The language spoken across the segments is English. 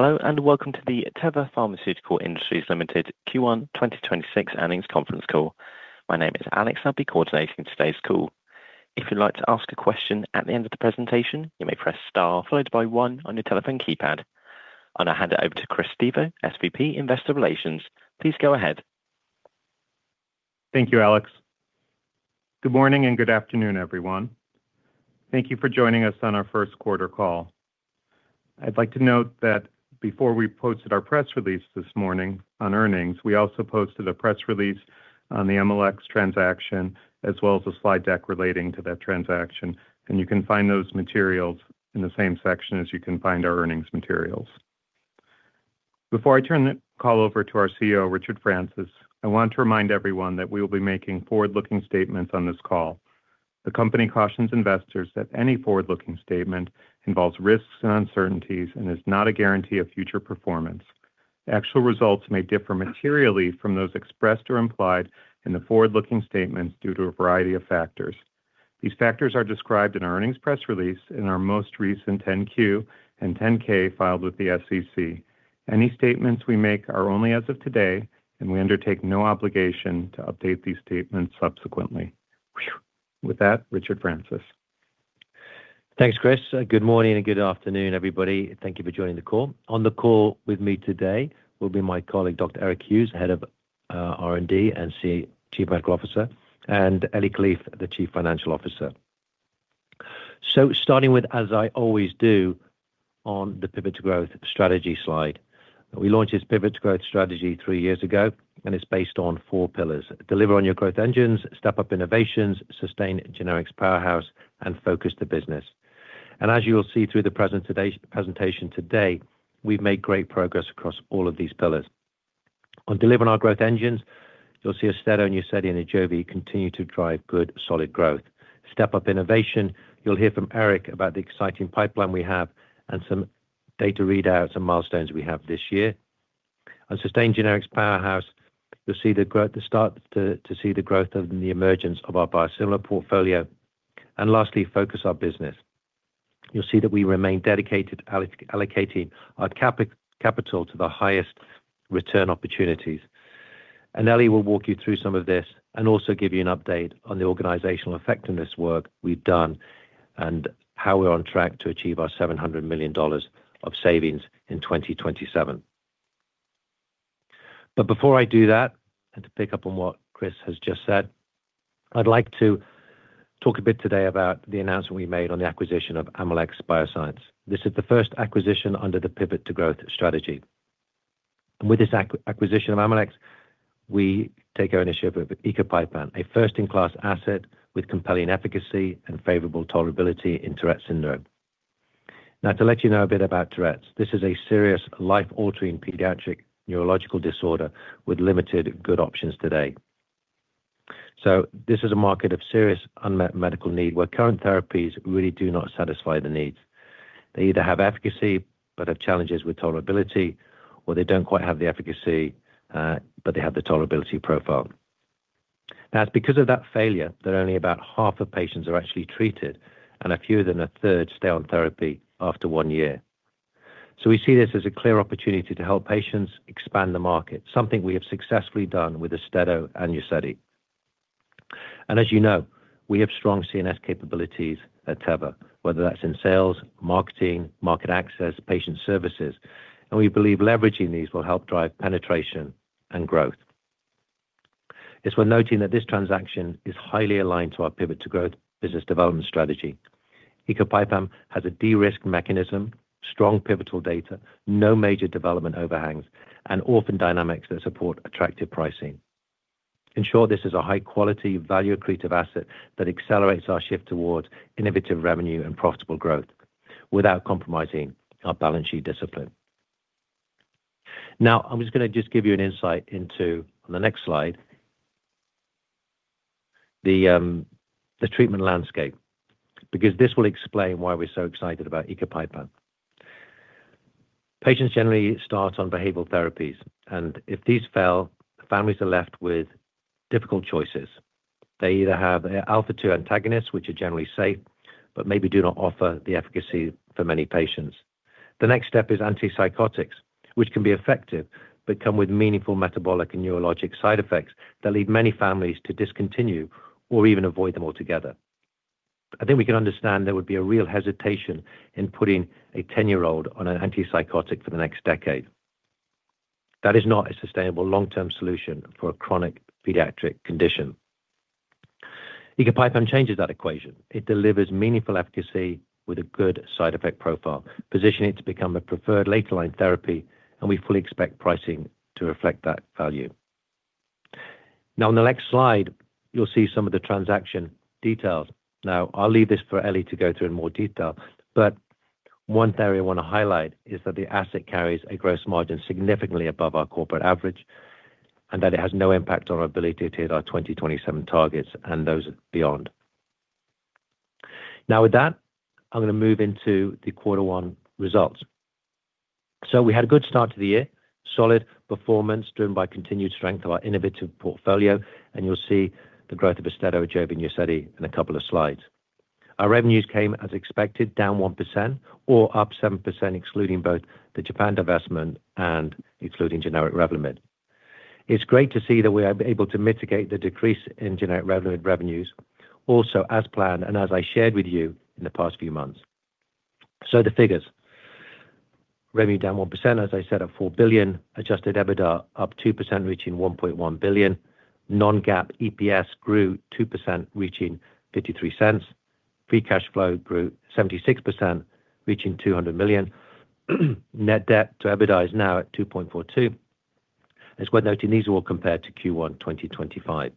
Hello and welcome to the Teva Pharmaceutical Industries Limited Q1 2026 Earnings Conference Call. My name is Alex. I'll be coordinating today's call. If you like to ask a question at the end of the presentation, you may press star followed by one on your telephone keypad. I'm going to hand it over to Chris Stevo, SVP, Investor Relations. Please go ahead. Thank you, Alex. Good morning and good afternoon, everyone. Thank you for joining us on our first quarter call. I'd like to note that before we posted our press release this morning on earnings, we also posted a press release on the Emalex transaction as well as a slide deck relating to that transaction. You can find those materials in the same section as you can find our earnings materials. Before I turn the call over to our CEO, Richard Francis, I want to remind everyone that we will be making forward-looking statements on this call. The company cautions investors that any forward-looking statement involves risks and uncertainties and is not a guarantee of future performance. Actual results may differ materially from those expressed or implied in the forward-looking statement due to a variety of factors. These factors are described in our earnings press release in our most recent 10-Q and 10-K filed with the SEC. Any statements we make are only as of today, and we undertake no obligation to update these statements subsequently. Phew. With that, Richard Francis. Thanks, Chris. Good morning and good afternoon, everybody. Thank you for joining the call. On the call with me today will be my colleague, Dr. Eric Hughes, Head of R&D and Chief Medical Officer, and Eli Kalif, the Chief Financial Officer. Starting with, as I always do, on the Pivot to Growth strategy slide. We launched this Pivot to Growth strategy three years ago, and it's based on four pillars. Deliver on your growth engines, step up innovations, sustain generics powerhouse, and focus the business. As you will see through the presentation today, we've made great progress across all of these pillars. On delivering our growth engines, you'll see AUSTEDO, UZEDY and AJOVY continue to drive good, solid growth. Step up innovation, you'll hear from Eric about the exciting pipeline we have and some data readouts and milestones we have this year. On sustain generics powerhouse, you'll see the growth of the emergence of our biosimilar portfolio. Lastly, focus our business. You'll see that we remain dedicated allocating our capital to the highest return opportunities. Eli will walk you through some of this and also give you an update on the organizational effectiveness work we've done and how we're on track to achieve our $700 million of savings in 2027. Before I do that, and to pick up on what Chris has just said, I'd like to talk a bit today about the announcement we made on the acquisition of Emalex Biosciences. This is the first acquisition under the Pivot to Growth strategy. With this acquisition of Emalex, we take ownership of ecopipam, a first-in-class asset with compelling efficacy and favorable tolerability in Tourette syndrome. To let you know a bit about Tourette's, this is a serious life-altering pediatric neurological disorder with limited good options today. This is a market of serious unmet medical need where current therapies really do not satisfy the needs. They either have efficacy but have challenges with tolerability, or they don't quite have the efficacy, but they have the tolerability profile. It's because of that failure that only about half of patients are actually treated and a few than a third stay on therapy after one year. We see this as a clear opportunity to help patients expand the market, something we have successfully done with AUSTEDO and UZEDY. As you know, we have strong CNS capabilities at Teva, whether that's in sales, marketing, market access, patient services, and we believe leveraging these will help drive penetration and growth. It's worth noting that this transaction is highly aligned to our Pivot to Growth business development strategy. ecopipam has a de-risk mechanism, strong pivotal data, no major development overhangs, and orphan dynamics that support attractive pricing. Ensure this is a high-quality, value-accretive asset that accelerates our shift towards innovative revenue and profitable growth without compromising our balance sheet discipline. I'm gonna give you an insight into, on the next slide, the treatment landscape because this will explain why we're so excited about ecopipam. Patients generally start on behavioral therapies. If these fail, families are left with difficult choices. They either have alpha-2 agonists, which are generally safe, but maybe do not offer the efficacy for many patients. The next step is antipsychotics, which can be effective but come with meaningful metabolic and neurologic side effects that lead many families to discontinue or even avoid them altogether. I think we can understand there would be a real hesitation in putting a 10-year-old on an antipsychotic for the next decade. That is not a sustainable long-term solution for a chronic pediatric condition. Ecopipam changes that equation. It delivers meaningful efficacy with a good side effect profile, positioning it to become a preferred later line therapy, and we fully expect pricing to reflect that value. Now, on the next slide, you'll see some of the transaction details. I'll leave this for Eli to go through in more detail, but one theory I want to highlight is that the asset carries a gross margin significantly above our corporate average and that it has no impact on our ability to hit our 2027 targets and those beyond. With that, I'm going to move into the quarter one results. We had a good start to the year, solid performance driven by continued strength of our innovative portfolio, and you'll see the growth of AUSTEDO, AJOVY and UZEDY in a couple of slides. Our revenues came as expected, down 1% or up 7%, excluding both the Japan divestment and excluding generic Revlimid. It's great to see that we are able to mitigate the decrease in generic Revlimid revenues also as planned and as I shared with you in the past few months. The figures. Revenue down 1%, as I said, at $4 billion. Adjusted EBITDA up 2%, reaching $1.1 billion. non-GAAP EPS grew 2%, reaching $0.53. Free cash flow grew 76%, reaching $200 million. Net debt to EBITDA is now at 2.42. It's worth noting these are all compared to Q1 2025.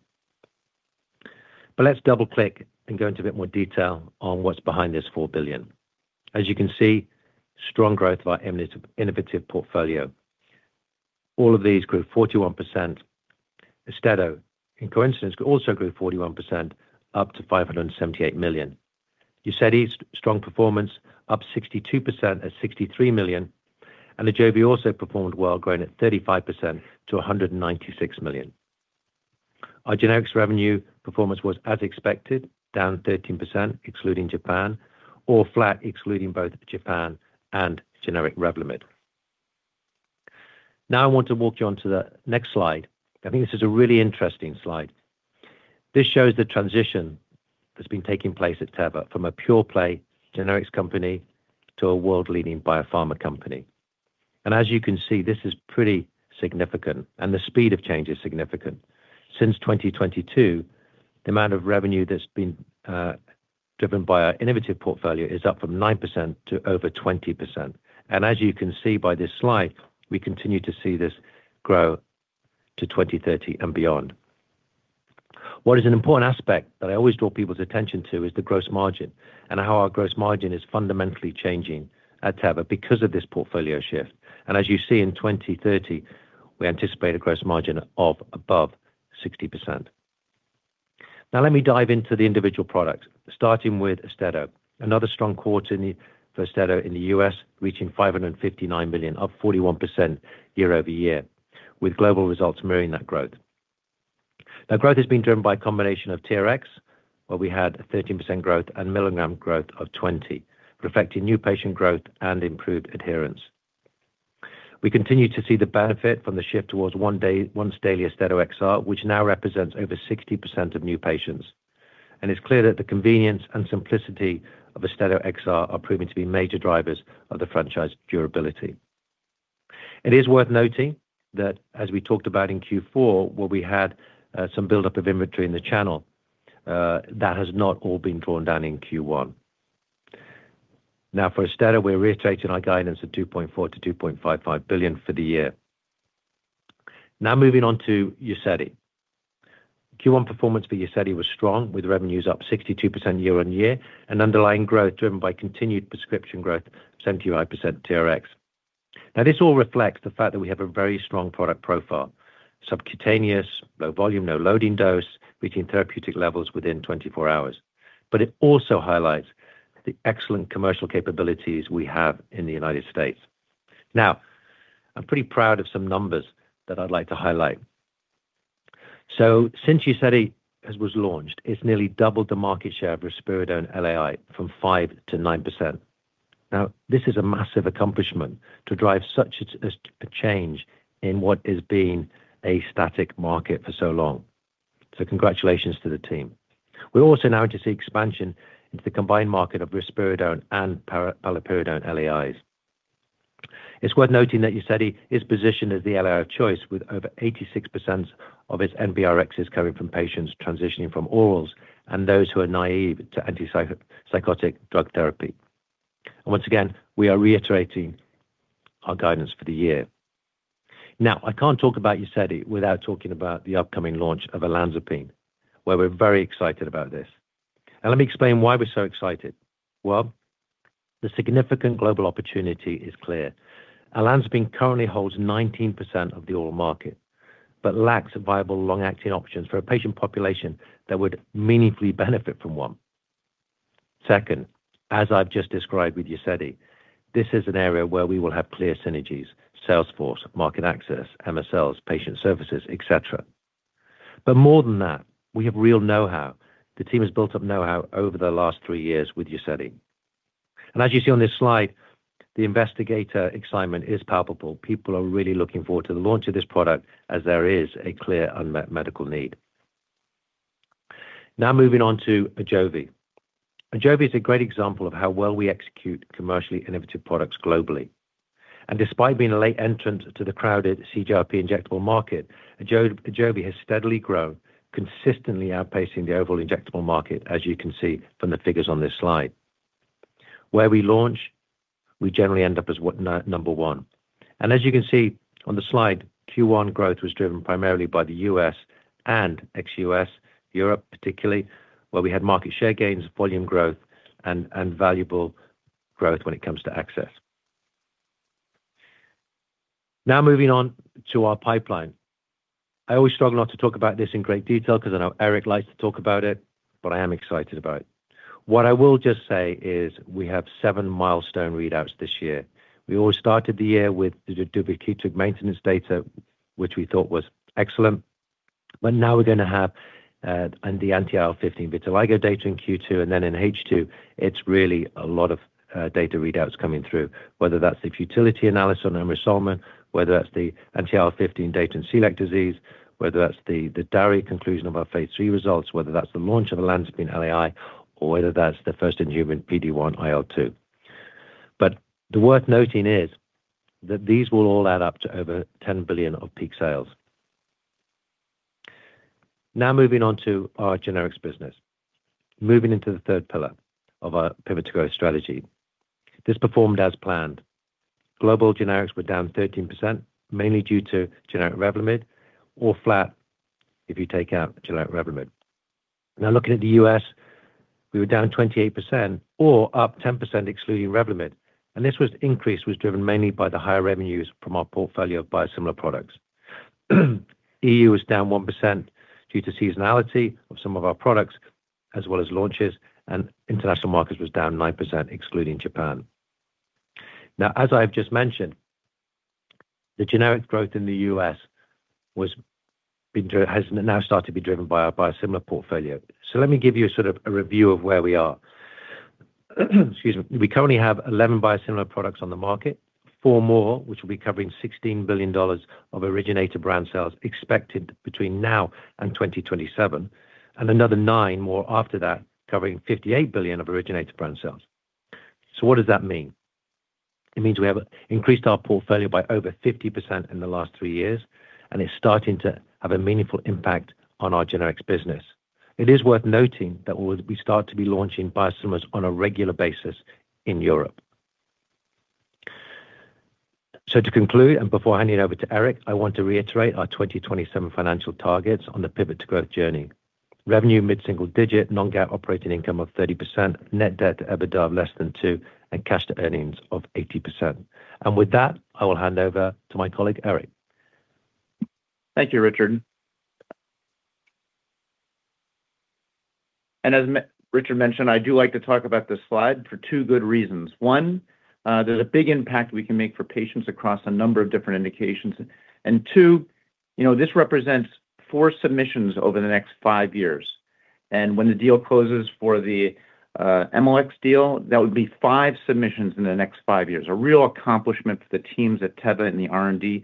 Let's double-click and go into a bit more detail on what's behind this $4 billion. As you can see, strong growth of our innovative portfolio. All of these grew 41%. AUSTEDO, in coincidence, also grew 41% up to $578 million. UZEDY's strong performance up 62% at $63 million. AJOVY also performed well, growing at 35% to $196 million. Our generics revenue performance was as expected, down 13% excluding Japan or flat excluding both Japan and generic Revlimid. Now I want to walk you on to the next slide. I think this is a really interesting slide. This shows the transition that's been taking place at Teva from a pure play generics company to a world-leading biopharma company. As you can see, this is pretty significant and the speed of change is significant. Since 2022, the amount of revenue that's been driven by our innovative portfolio is up from 9% to over 20%. As you can see by this slide, we continue to see this grow to 2030 and beyond. What is an important aspect that I always draw people's attention to is the gross margin and how our gross margin is fundamentally changing at Teva because of this portfolio shift. As you see in 2030, we anticipate a gross margin of above 60%. Let me dive into the individual products, starting with AUSTEDO. Another strong quarter for AUSTEDO in the U.S., reaching $559 million, up 41% year-over-year, with global results mirroring that growth. Growth has been driven by a combination of TRx, where we had a 13% growth and milligram growth of 20, reflecting new patient growth and improved adherence. We continue to see the benefit from the shift towards once-daily AUSTEDO XR, which now represents over 60% of new patients. It's clear that the convenience and simplicity of AUSTEDO XR are proving to be major drivers of the franchise durability. It is worth noting that as we talked about in Q4, where we had some buildup of inventory in the channel, that has not all been drawn down in Q1. We're reiterating our guidance of $2.4 billion-$2.55 billion for the year. Now, moving on to UZEDY. Q1 performance for UZEDY was strong, with revenues up 62% year-on-year and underlying growth driven by continued prescription growth of 75% TRx. This all reflects the fact that we have a very strong product profile, subcutaneous, low volume, no loading dose, reaching therapeutic levels within 24 hours. It also highlights the excellent commercial capabilities we have in the United States. I'm pretty proud of some numbers that I'd like to highlight. Since UZEDY was launched, it's nearly doubled the market share of risperidone LAI from 5% to 9%. This is a massive accomplishment to drive such a change in what has been a static market for so long. Congratulations to the team. We're also now to see expansion into the combined market of risperidone and paliperidone LAIs. It's worth noting that UZEDY is positioned as the LAI of choice, with over 86% of its NBRx coming from patients transitioning from orals and those who are naive to antipsychotic drug therapy. Once again, we are reiterating our guidance for the year. Now, I can't talk about UZEDY without talking about the upcoming launch of olanzapine, where we're very excited about this. Let me explain why we're so excited. Well, the significant global opportunity is clear. Olanzapine currently holds 19% of the oral market, but lacks viable long-acting options for a patient population that would meaningfully benefit from one. Second, as I've just described with UZEDY, this is an area where we will have clear synergies, sales force, market access, MSLs, patient services, et cetera. More than that, we have real know-how. The team has built up know-how over the last three years with UZEDY. As you see on this slide, the investigator excitement is palpable. People are really looking forward to the launch of this product as there is a clear unmet medical need. Now moving on to AJOVY. AJOVY is a great example of how well we execute commercially innovative products globally. Despite being a late entrant to the crowded CGRP injectable market, AJOVY has steadily grown, consistently outpacing the overall injectable market, as you can see from the figures on this slide. Where we launch, we generally end up as number one. As you can see on the slide, Q1 growth was driven primarily by the U.S. and ex-U.S., Europe particularly, where we had market share gains, volume growth and valuable growth when it comes to access. Now moving on to our pipeline. I always struggle not to talk about this in great detail because I know Eric likes to talk about it, but I am excited about it. What I will just say is we have seven milestone readouts this year. We all started the year with the duvakitug maintenance data, which we thought was excellent. Now we're gonna have, and the anti-IL-15 vitiligo data in Q2, and then in H2, it's really a lot of data readouts coming through, whether that's the futility analysis on emrusolmin, whether that's the anti-IL-15 data in celiac disease, whether that's the DARI conclusion of our phase III results, whether that's the launch of olanzapine LAI, or whether that's the first-in-human PD-1/IL-2. The worth noting is that these will all add up to over $10 billion of peak sales. Now moving on to our generics business. Moving into the third pillar of our Pivot to Growth strategy. This performed as planned. Global generics were down 13%, mainly due to generic Revlimid, or flat if you take out generic Revlimid. Looking at the U.S., we were down 28% or up 10% excluding Revlimid, and this increase was driven mainly by the higher revenues from our portfolio of biosimilar products. EU was down 1% due to seasonality of some of our products as well as launches, and international markets was down 9% excluding Japan. As I've just mentioned, the generic growth in the U.S. has now started to be driven by our biosimilar portfolio. Let me give you a sort of a review of where we are. Excuse me. We currently have 11 biosimilar products on the market, four more which will be covering $16 billion of originator brand sales expected between now and 2027, and another nine more after that covering $58 billion of originator brand sales. What does that mean? It means we have increased our portfolio by over 50% in the last three years. It's starting to have a meaningful impact on our generics business. It is worth noting that we'll start to be launching biosimilars on a regular basis in Europe. To conclude, and before handing over to Eric, I want to reiterate our 2027 financial targets on the Pivot to Growth journey. Revenue mid-single digit, non-GAAP operating income of 30%, net debt to EBITDA of less than two, cash to earnings of 80%. With that, I will hand over to my colleague, Eric. Thank you, Richard. As Richard mentioned, I do like to talk about this slide for two good reasons. One, there's a big impact we can make for patients across a number of different indications. Two, you know, this represents four submissions over the next five years. When the deal closes for the Emalex deal, that would be five submissions in the next five years, a real accomplishment for the teams at Teva and the R&D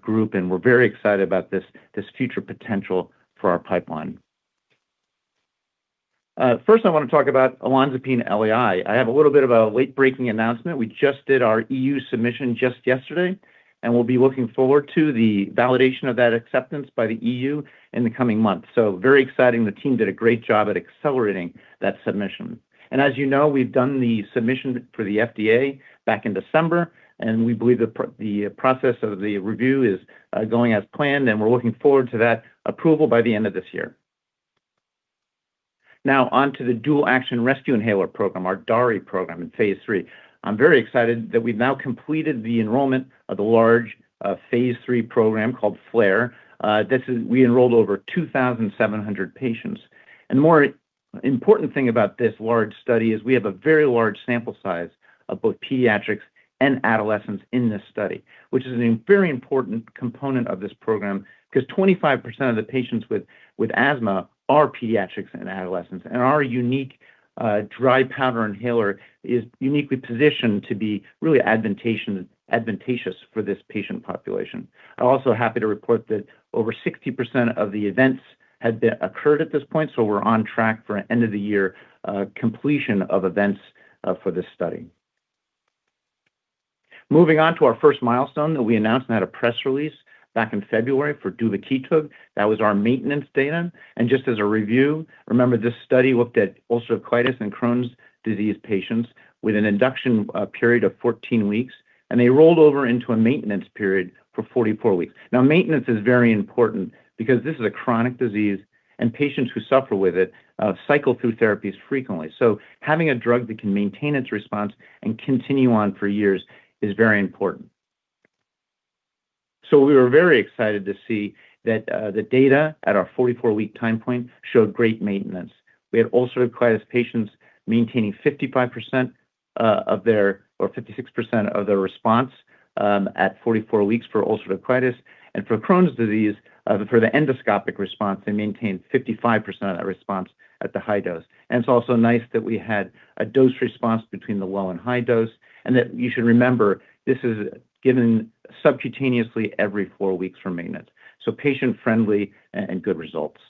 group, and we're very excited about this future potential for our pipeline. First I want to talk about olanzapine LAI. I have a little bit of a late-breaking announcement. We just did our EU submission just yesterday, and we'll be looking forward to the validation of that acceptance by the EU in the coming months. Very exciting. The team did a great job at accelerating that submission. As you know, we've done the submission for the FDA back in December, and we believe the process of the review is going as planned, and we're looking forward to that approval by the end of this year. Now on to the dual action rescue inhaler program, our DARI program in phase III. I'm very excited that we've now completed the enrollment of the large phase III program called FLAIR. We enrolled over 2,700 patients. More important thing about this large study is we have a very large sample size of both pediatrics and adolescents in this study, which is a very important component of this program because 25% of the patients with asthma are pediatrics and adolescents. Our unique dry powder inhaler is uniquely positioned to be really advantageous for this patient population. I am also happy to report that over 60% of the events have been occurred at this point, so we are on track for an end of the year completion of events for this study. Moving on to our first milestone that we announced and had a press release back in February for duvakitug. That was our maintenance data. Just as a review, remember this study looked at ulcerative colitis and Crohn's disease patients with an induction period of 14 weeks, and they rolled over into a maintenance period for 44 weeks. Now, maintenance is very important because this is a chronic disease, and patients who suffer with it cycle through therapies frequently. Having a drug that can maintain its response and continue on for years is very important. We were very excited to see that the data at our 44-week time point showed great maintenance. We had ulcerative colitis patients maintaining 55%, or 56% of their response at 44 weeks for ulcerative colitis. For Crohn's disease, for the endoscopic response, they maintained 55% of that response at the high dose. It is also nice that we had a dose response between the low and high dose, and that you should remember this is given subcutaneously every four weeks for maintenance. Patient-friendly and good results.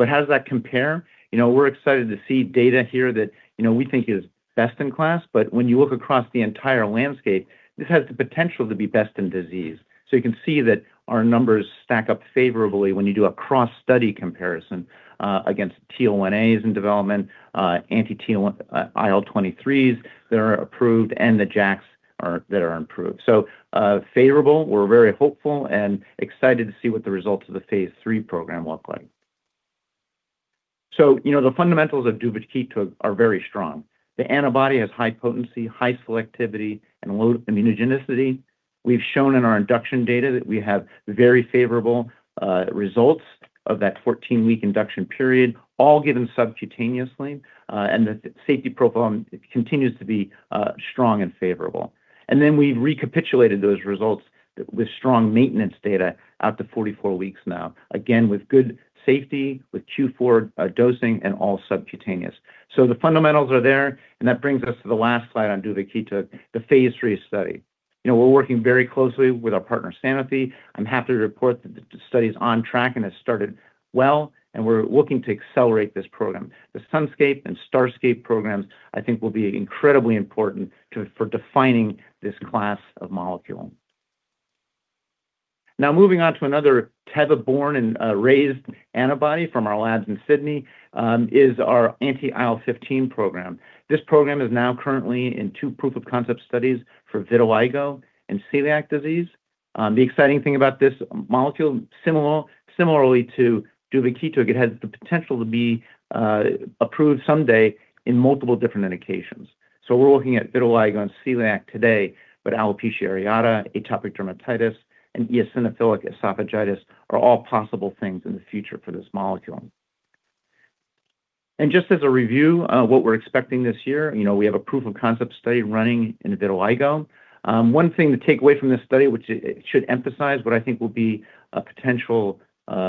How does that compare? You know, we're excited to see data here that, you know, we think is best in class, but when you look across the entire landscape, this has the potential to be best in disease. You can see that our numbers stack up favorably when you do a cross-study comparison against TL1As in development, IL-23s that are approved, and the JAKs that are approved. Favorable, we're very hopeful and excited to see what the results of the phase III program look like. You know, the fundamentals of duvakitug are very strong. The antibody has high potency, high selectivity, and low immunogenicity. We've shown in our induction data that we have very favorable results of that 14 week induction period, all given subcutaneously, and the safety profile continues to be strong and favorable. We've recapitulated those results with strong maintenance data out to 44 weeks now, again, with good safety, with Q4 dosing and all subcutaneous. The fundamentals are there, and that brings us to the last slide on duvakitug, the phase III study. You know, we're working very closely with our partner, Sanofi. I'm happy to report that the study is on track and has started well, and we're looking to accelerate this program. The SUNSCAPE and STARSCAPE programs, I think, will be incredibly important to, for defining this class of molecule. Moving on to another Teva born and raised antibody from our labs in Sydney, is our anti-IL-15 program. This program is now currently in two proof-of-concept studies for vitiligo and celiac disease. The exciting thing about this molecule, similarly to duvakitug, it has the potential to be approved someday in multiple different indications. We're looking at vitiligo and celiac today, but alopecia areata, atopic dermatitis, and eosinophilic esophagitis are all possible things in the future for this molecule. Just as a review of what we're expecting this year, you know, we have a proof-of-concept study running in vitiligo. One thing to take away from this study, which it should emphasize what I think will be a potential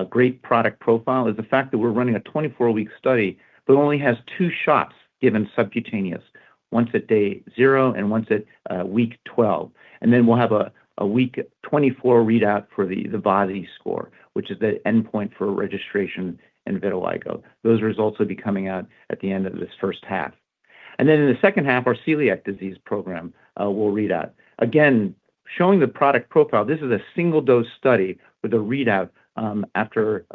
great product profile, is the fact that we're running a 24-week study that only has two shots given subcutaneous, once at day zero and once at week 12. Then we'll have a week 24 readout for the VASI score, which is the endpoint for registration in vitiligo. Those results will be coming out at the end of this first half. In the second half, our celiac disease program will read out. Again, showing the product profile, this is a single-dose study with a readout after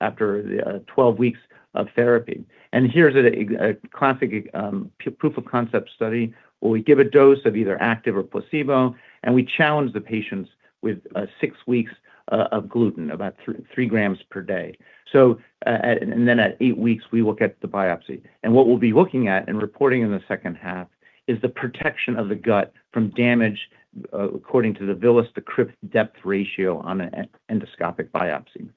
the 12 weeks of therapy. Here's a classic proof of concept study where we give a dose of either active or placebo, and we challenge the patients with six weeks of gluten, about 3 g per day. Then at eight weeks, we will get the biopsy. What we'll be looking at and reporting in the second half is the protection of the gut from damage according to the villus-to-crypt depth ratio on an endoscopic biopsy.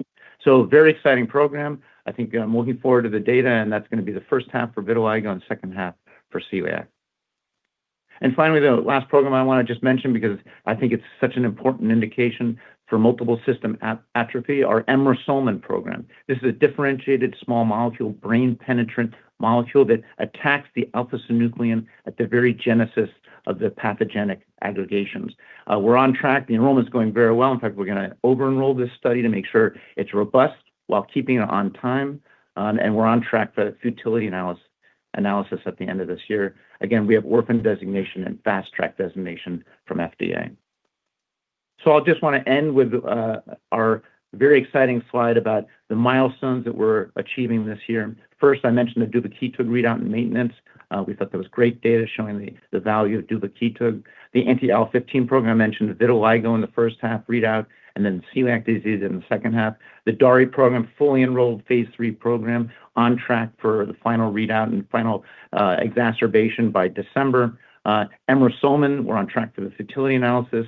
Very exciting program. I think I'm looking forward to the data, and that's going to be the first half for vitiligo and second half for celiac. Finally, the last program I want to just mention, because I think it's such an important indication for multiple system atrophy, our emrusolmin program. This is a differentiated small molecule, brain penetrant molecule that attacks the alpha-synuclein at the very genesis of the pathogenic aggregations. We're on track. The enrollment is going very well. In fact, we're going to over-enroll this study to make sure it's robust while keeping it on time. We're on track for that futility analysis at the end of this year. Again, we have orphan designation and fast track designation from FDA. I'll just want to end with our very exciting slide about the milestones that we're achieving this year. First, I mentioned the duvakitug readout and maintenance. We thought that was great data showing the value of duvakitug. The anti-IL-15 program, I mentioned vitiligo in the first half readout then celiac disease in the second half. The DARI program, fully enrolled phase III program on track for the final readout and final exacerbation by December. emrusolmin, we're on track for the futility analysis.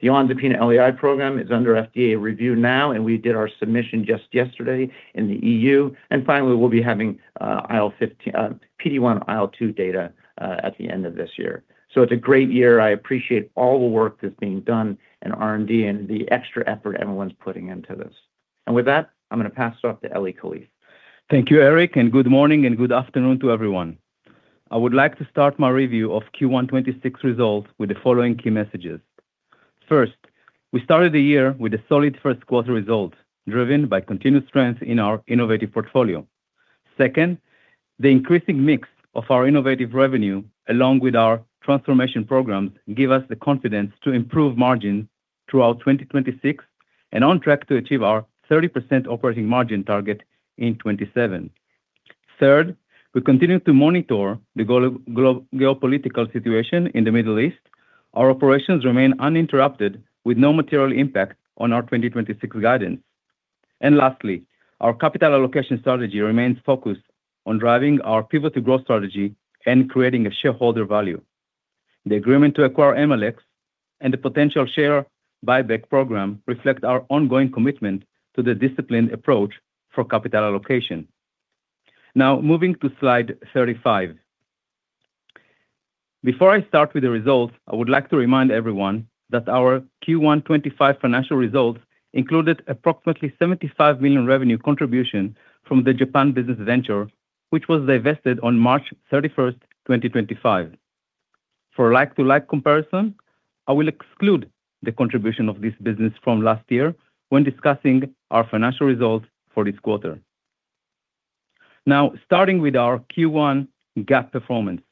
The olanzapine LAI program is under FDA review now, we did our submission just yesterday in the EU. Finally, we'll be having PD-1/IL-2 data at the end of this year. It's a great year. I appreciate all the work that's being done in R&D and the extra effort everyone's putting into this. With that, I'm going to pass it off to Eli Kalif. Thank you, Eric. Good morning and good afternoon to everyone. I would like to start my review of Q1 2026 results with the following key messages. First, we started the year with a solid first quarter result, driven by continuous strength in our innovative portfolio. Second, the increasing mix of our innovative revenue, along with our transformation programs, give us the confidence to improve margin throughout 2026 and on track to achieve our 30% operating margin target in 2027. Third, we continue to monitor the geopolitical situation in the Middle East. Our operations remain uninterrupted with no material impact on our 2026 guidance. Lastly, our capital allocation strategy remains focused on driving our Pivot to Growth strategy and creating a shareholder value. The agreement to acquire Emalex and the potential share buyback program reflect our ongoing commitment to the disciplined approach for capital allocation. Now moving to slide 35. Before I start with the results, I would like to remind everyone that our Q1 2025 financial results included approximately $75 million revenue contribution from the Japan business venture, which was divested on March 31st, 2025. For like-to-like comparison, I will exclude the contribution of this business from last year when discussing our financial results for this quarter. Now, starting with our Q1 GAAP performance.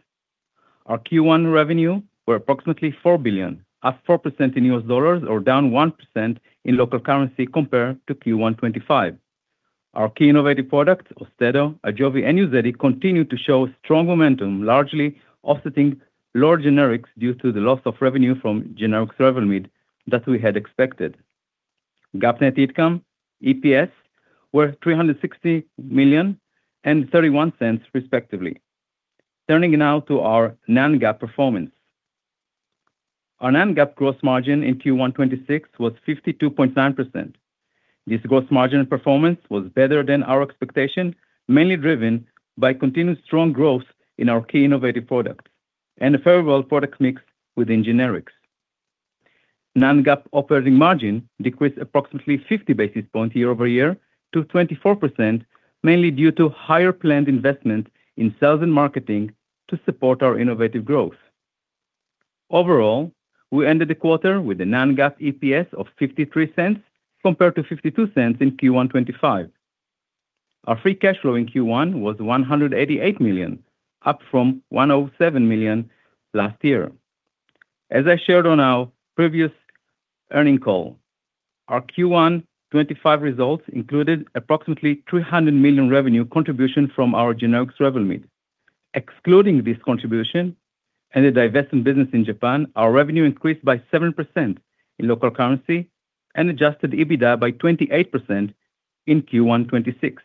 Our Q1 revenue were approximately $4 billion, up 4% in U.S. dollars or down 1% in local currency compared to Q1 2025. Our key innovative products, AUSTEDO, AJOVY, and UZEDY, continued to show strong momentum, largely offsetting lower generics due to the loss of revenue from generic Revlimid that we had expected. GAAP net income, EPS, were $360 million and $0.31 respectively. Turning now to our non-GAAP performance. Our non-GAAP gross margin in Q1 2026 was 52.9%. This gross margin performance was better than our expectation, mainly driven by continued strong growth in our key innovative products and a favorable product mix within generics. Non-GAAP operating margin decreased approximately 50 basis points year-over-year to 24%, mainly due to higher planned investment in sales and marketing to support our innovative growth. Overall, we ended the quarter with a non-GAAP EPS of $0.53 compared to $0.52 in Q1 2025. Our free cash flow in Q1 was $188 million, up from $107 million last year. As I shared on our previous earnings call, our Q1 2025 results included approximately $300 million revenue contribution from our generics revenue mid. Excluding this contribution and the divesting business in Japan, our revenue increased by 7% in local currency and adjusted EBITDA by 28% in Q1 2026.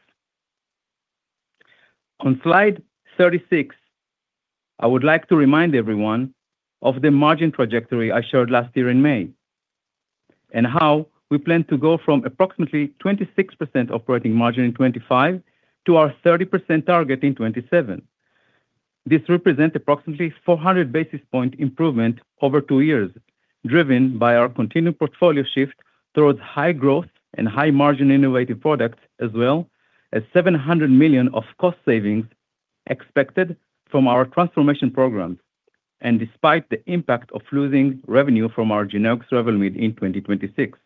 On slide 36, I would like to remind everyone of the margin trajectory I showed last year in May, and how we plan to go from approximately 26% operating margin in 2025 to our 30% target in 2027. This represents approximately 400 basis point improvement over two years, driven by our continued portfolio shift towards high growth and high margin innovative products, as well as $700 million of cost savings expected from our transformation programs, and despite the impact of losing revenue from our generics revenue mid in 2026.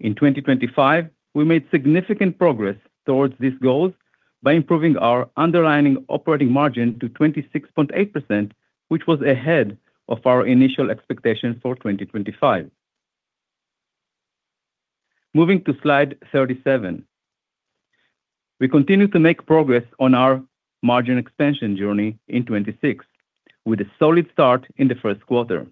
In 2025, we made significant progress towards these goals by improving our underlying operating margin to 26.8%, which was ahead of our initial expectations for 2025. Moving to slide 37. We continue to make progress on our margin expansion journey in 2026, with a solid start in the first quarter.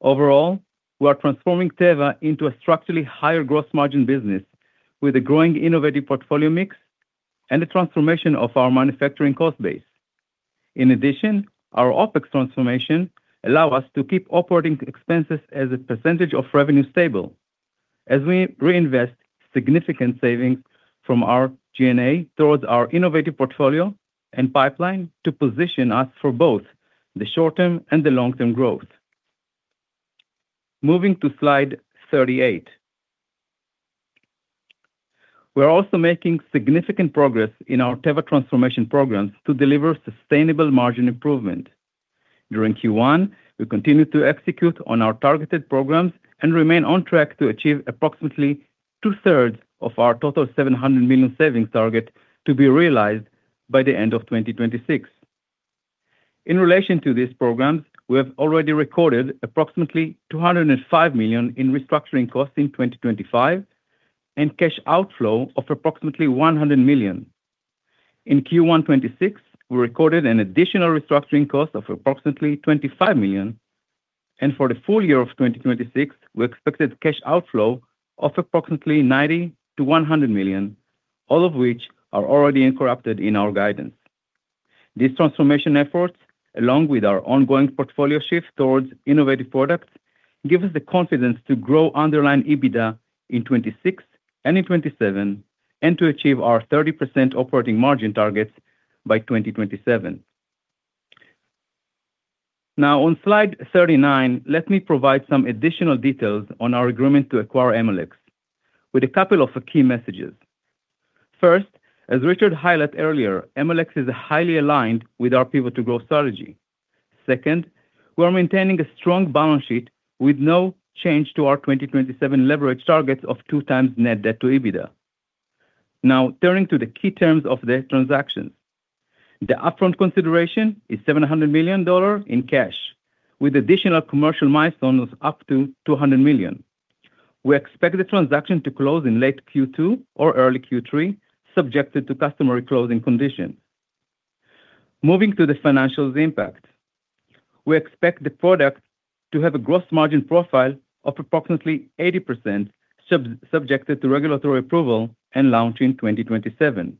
Overall, we are transforming Teva into a structurally higher gross margin business with a growing innovative portfolio mix and the transformation of our manufacturing cost base. In addition, our OpEx transformation allow us to keep operating expenses as a percentage of revenue stable as we reinvest significant savings from our G&A towards our innovative portfolio and pipeline to position us for both the short-term and the long-term growth. Moving to slide 38. We're also making significant progress in our Teva transformation programs to deliver sustainable margin improvement. During Q1, we continued to execute on our targeted programs and remain on track to achieve approximately 2/3 of our total $700 million savings target to be realized by the end of 2026. In relation to these programs, we have already recorded approximately $205 million in restructuring costs in 2025 and cash outflow of approximately $100 million. In Q1 2026, we recorded an additional restructuring cost of approximately $25 million, and for the full year of 2026, we expected cash outflow of approximately $90 million-$100 million, all of which are already incorporated in our guidance. These transformation efforts, along with our ongoing portfolio shift towards innovative products, give us the confidence to grow underlying EBITDA in 2026 and in 2027 and to achieve our 30% operating margin targets by 2027. On slide 39, let me provide some additional details on our agreement to acquire Emalex with a couple of key messages. First, as Richard highlighted earlier, Emalex is highly aligned with our Pivot to Growth strategy. Second, we are maintaining a strong balance sheet with no change to our 2027 leverage targets of 2x net debt to EBITDA. Turning to the key terms of the transaction. The upfront consideration is $700 million in cash, with additional commercial milestones of up to $200 million. We expect the transaction to close in late Q2 or early Q3, subjected to customary closing conditions. Moving to the financials impact. We expect the product to have a gross margin profile of approximately 80% subjected to regulatory approval and launch in 2027.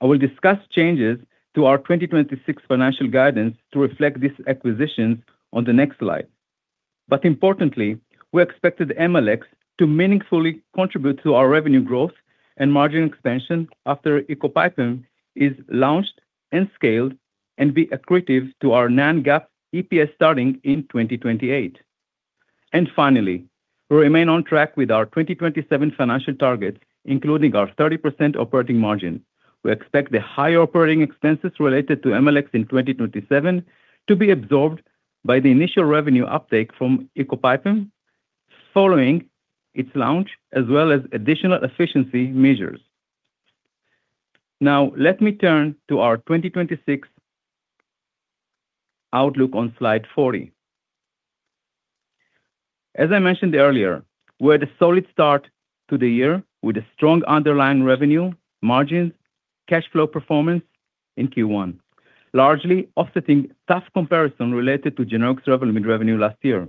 I will discuss changes to our 2026 financial guidance to reflect this acquisition on the next slide. Importantly, we expected Emalex to meaningfully contribute to our revenue growth and margin expansion after ecopipam is launched and scaled and be accretive to our non-GAAP EPS starting in 2028. Finally, we remain on track with our 2027 financial targets, including our 30% operating margin. We expect the higher operating expenses related to Emalex in 2027 to be absorbed by the initial revenue uptake from ecopipam following its launch, as well as additional efficiency measures. Let me turn to our 2026 outlook on slide 40. As I mentioned earlier, we had a solid start to the year with a strong underlying revenue, margins, cash flow performance in Q1, largely offsetting tough comparison related to generics Revlimid revenue last year.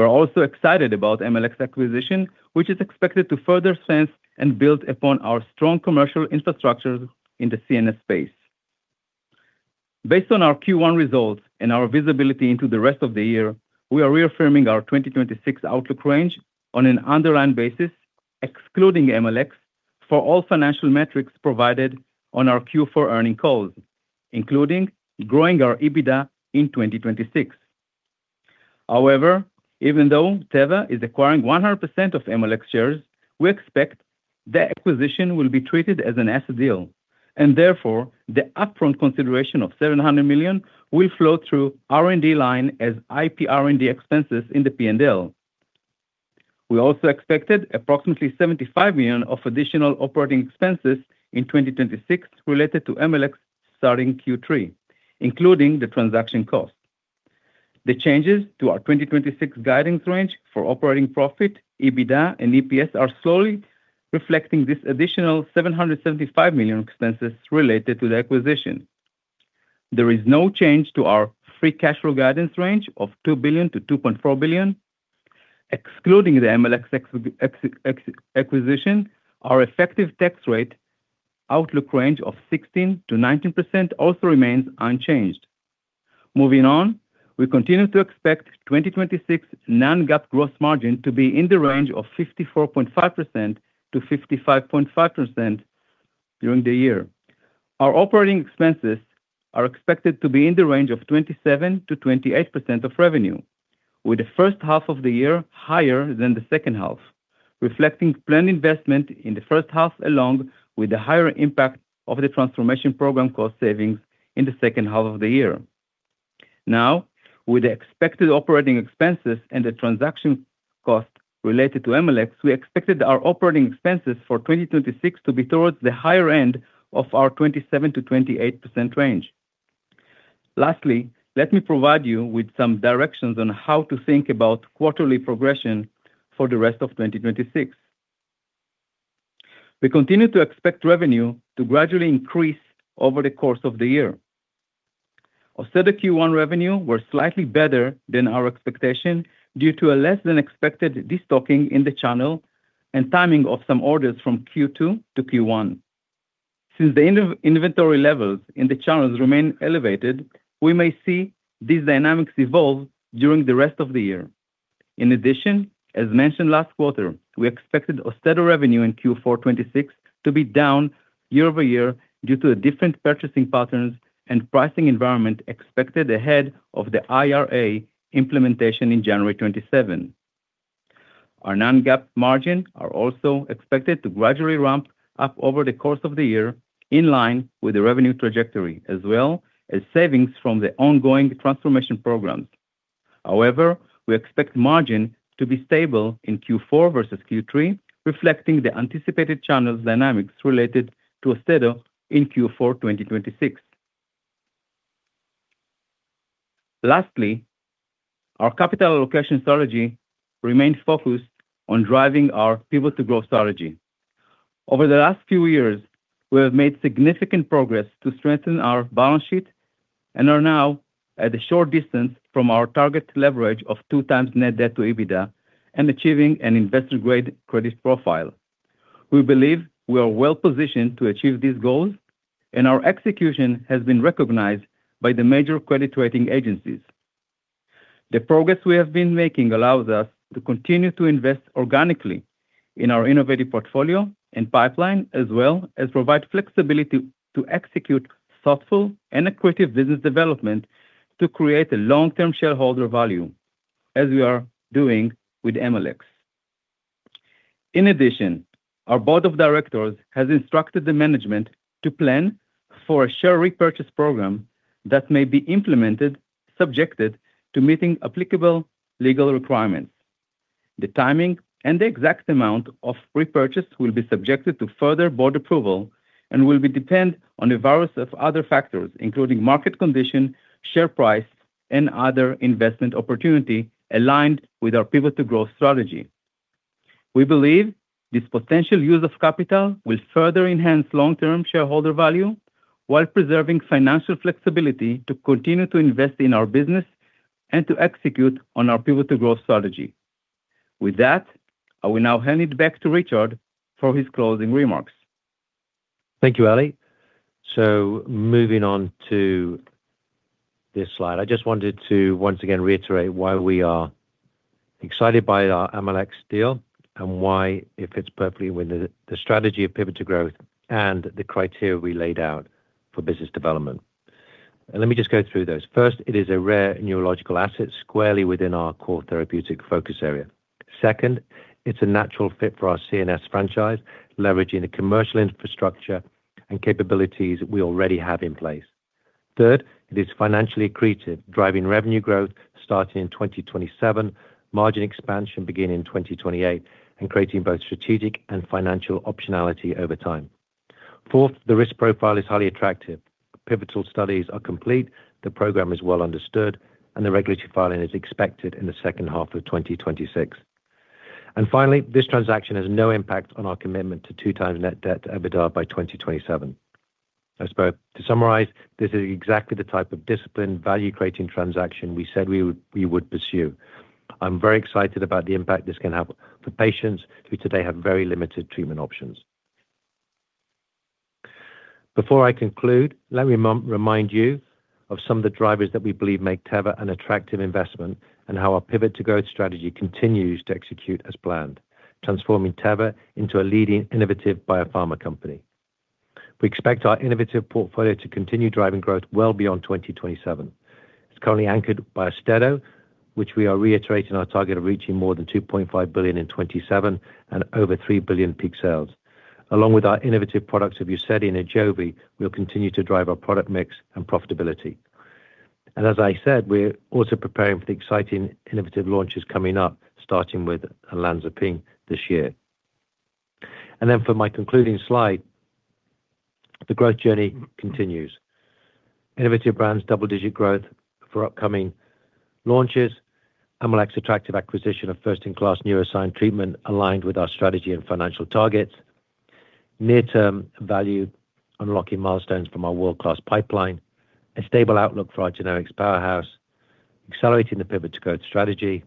We're also excited about Emalex acquisition, which is expected to further cement and build upon our strong commercial infrastructure in the CNS space. Based on our Q1 results and our visibility into the rest of the year, we are reaffirming our 2026 outlook range on an underlying basis, excluding Emalex, for all financial metrics provided on our Q4 earnings calls, including growing our EBITDA in 2026. Even though Teva is acquiring 100% of Emalex shares, we expect the acquisition will be treated as an asset deal, and therefore, the upfront consideration of $700 million will flow through R&D line as IP R&D expenses in the P&L. We also expected approximately $75 million of additional operating expenses in 2026 related to Emalex starting Q3, including the transaction cost. The changes to our 2026 guidance range for operating profit, EBITDA, and EPS are slowly reflecting this additional $775 million expenses related to the acquisition. There is no change to our free cash flow guidance range of $2 billion-$2.4 billion. Excluding the Emalex acquisition, our effective tax rate outlook range of 16%-19% also remains unchanged. Moving on, we continue to expect 2026 non-GAAP gross margin to be in the range of 54.5%-55.5% during the year. Our operating expenses are expected to be in the range of 27%-28% of revenue, with the first half of the year higher than the second half, reflecting planned investment in the first half along with the higher impact of the transformation program cost savings in the second half of the year. With the expected operating expenses and the transaction cost related to Emalex, we expected our operating expenses for 2026 to be towards the higher end of our 27%-28% range. Lastly, let me provide you with some directions on how to think about quarterly progression for the rest of 2026. We continue to expect revenue to gradually increase over the course of the year. AUSTEDO Q1 revenue were slightly better than our expectation due to a less-than-expected destocking in the channel and timing of some orders from Q2 to Q1. Since the inventory levels in the channels remain elevated, we may see these dynamics evolve during the rest of the year. In addition, as mentioned last quarter, we expected AUSTEDO revenue in Q4 2026 to be down year-over-year due to a different purchasing patterns and pricing environment expected ahead of the IRA implementation in January 2027. Our non-GAAP margin are also expected to gradually ramp up over the course of the year in line with the revenue trajectory, as well as savings from the ongoing transformation programs. However, we expect margin to be stable in Q4 versus Q3, reflecting the anticipated channels dynamics related to AUSTEDO in Q4 2026. Lastly, our capital allocation strategy remains focused on driving our Pivot to Growth strategy. Over the last few years, we have made significant progress to strengthen our balance sheet and are now at a short distance from our target leverage of 2x net debt to EBITDA and achieving an investor-grade credit profile. We believe we are well-positioned to achieve these goals, and our execution has been recognized by the major credit rating agencies. The progress we have been making allows us to continue to invest organically in our innovative portfolio and pipeline, as well as provide flexibility to execute thoughtful and accretive business development to create a long-term shareholder value, as we are doing with Emalex. In addition, our board of directors has instructed the management to plan for a share repurchase program that may be implemented, subjected to meeting applicable legal requirements. The timing and the exact amount of repurchase will be subjected to further board approval and will be depend on a variety of other factors, including market conditions, share price, and other investment opportunity aligned with our Pivot to Growth strategy. We believe this potential use of capital will further enhance long-term shareholder value while preserving financial flexibility to continue to invest in our business and to execute on our Pivot to Growth strategy. With that, I will now hand it back to Richard for his closing remarks. Thank you, Eli. Moving on to this slide. I just wanted to once again reiterate why we are excited by our Emalex deal and why it fits perfectly with the strategy of Pivot to Growth and the criteria we laid out for business development. Let me just go through those. First, it is a rare neurological asset squarely within our core therapeutic focus area. Second, it's a natural fit for our CNS franchise, leveraging the commercial infrastructure and capabilities we already have in place. Third, it is financially accretive, driving revenue growth starting in 2027, margin expansion beginning in 2028, and creating both strategic and financial optionality over time. Fourth, the risk profile is highly attractive. Pivotal studies are complete, the program is well understood, and the regulatory filing is expected in the second half of 2026. Finally, this transaction has no impact on our commitment to 2x net debt EBITDA by 2027. I suppose to summarize, this is exactly the type of disciplined value-creating transaction we said we would pursue. I'm very excited about the impact this can have for patients who today have very limited treatment options. Before I conclude, let me remind you of some of the drivers that we believe make Teva an attractive investment and how our Pivot to Growth strategy continues to execute as planned, transforming Teva into a leading innovative biopharma company. We expect our innovative portfolio to continue driving growth well beyond 2027. It's currently anchored by AUSTEDO, which we are reiterating our target of reaching more than $2.5 billion in 2027 and over $3 billion peak sales. Along with our innovative products of UZEDY and AJOVY, we'll continue to drive our product mix and profitability. As I said, we're also preparing for the exciting innovative launches coming up, starting with olanzapine this year. For my concluding slide, the growth journey continues. Innovative brands double-digit growth for upcoming launches. Amylyx's attractive acquisition of first-in-class neuroscience treatment aligned with our strategy and financial targets. Near-term value unlocking milestones from our world-class pipeline. A stable outlook for our generics powerhouse. Accelerating the Pivot to Growth strategy.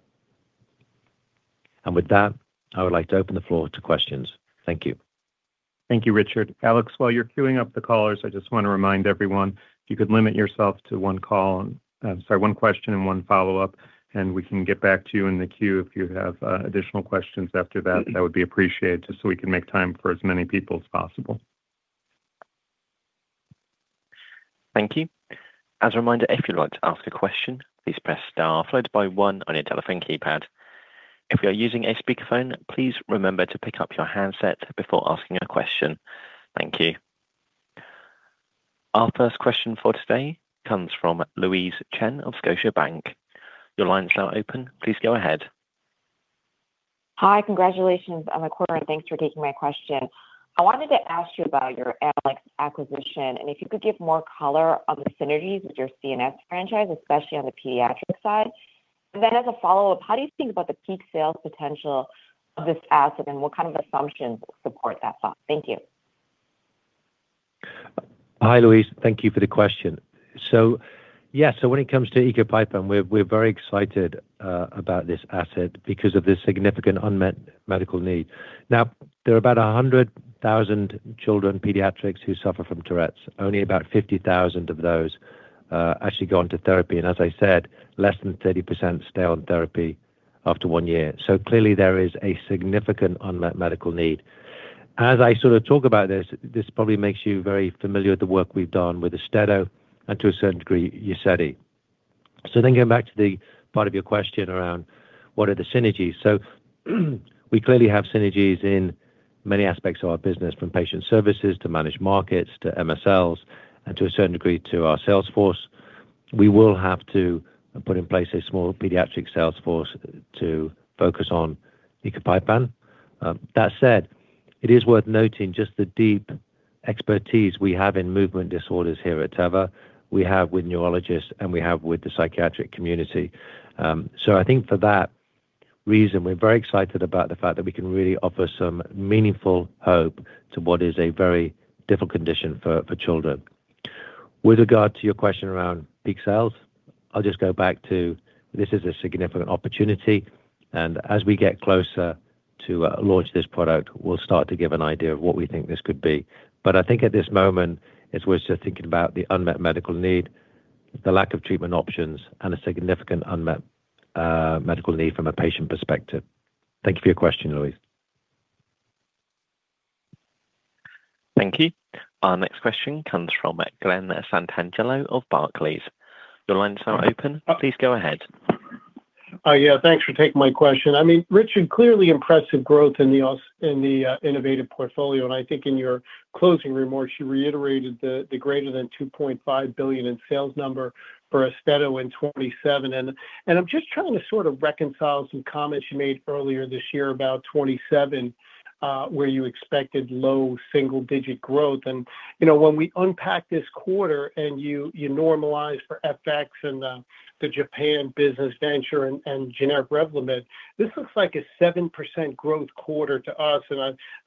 With that, I would like to open the floor to questions. Thank you. Thank you, Richard. Alex, while you're queuing up the callers, I just want to remind everyone you could limit yourself to one call. Sorry, one question and one follow-up, and we can get back to you in the queue if you have additional questions after that. That would be appreciated just so we can make time for as many people as possible. Thank you. As a reminder, if you'd like to ask a question, please press star followed by one on your telephone keypad. If you are using a speakerphone, please remember to pick up your handset before asking a question. Thank you. Our first question for today comes from Louise Chen of Scotiabank. Your line is now open. Please go ahead. Hi. Congratulations on the quarter, and thanks for taking my question. I wanted to ask you about your Emalex acquisition and if you could give more color on the synergies with your CNS franchise, especially on the pediatric side. As a follow-up, how do you think about the peak sales potential of this asset and what kind of assumptions support that thought? Thank you. Hi, Louise. Thank you for the question. Yes, when it comes to ecopipam, we're very excited about this asset because of the significant unmet medical need. There are about 100,000 children, pediatrics, who suffer from Tourette's. Only about 50,000 of those actually go on to therapy. As I said, less than 30% stay on therapy after one year. Clearly there is a significant unmet medical need. As I sort of talk about this probably makes you very familiar with the work we've done with AUSTEDO and to a certain degree, UZEDY. Going back to the part of your question around what are the synergies. We clearly have synergies in many aspects of our business, from patient services to managed markets to MSLs and to a certain degree, to our sales force. We will have to put in place a small pediatric sales force to focus on ecopipam. That said, it is worth noting just the deep expertise we have in movement disorders here at Teva, we have with neurologists, and we have with the psychiatric community. I think for that reason, we're very excited about the fact that we can really offer some meaningful hope to what is a very difficult condition for children. With regard to your question around peak sales, I'll just go back to this is a significant opportunity, and as we get closer to launch this product, we'll start to give an idea of what we think this could be. I think at this moment, it's worth just thinking about the unmet medical need, the lack of treatment options, and a significant unmet medical need from a patient perspective. Thank you for your question, Louise. Thank you. Our next question comes from Glen Santangelo of Barclays. Your line is now open. Please go ahead. Yeah. Thanks for taking my question. I mean, Richard, clearly impressive growth in the innovative portfolio, I think in your closing remarks, you reiterated the greater than $2.5 billion in sales number for AUSTEDO in 2027. I'm just trying to sort of reconcile some comments you made earlier this year about 2027, where you expected low single-digit growth. You know, when we unpack this quarter and you normalize for FX and the Japan business venture and generic Revlimid, this looks like a 7% growth quarter to us.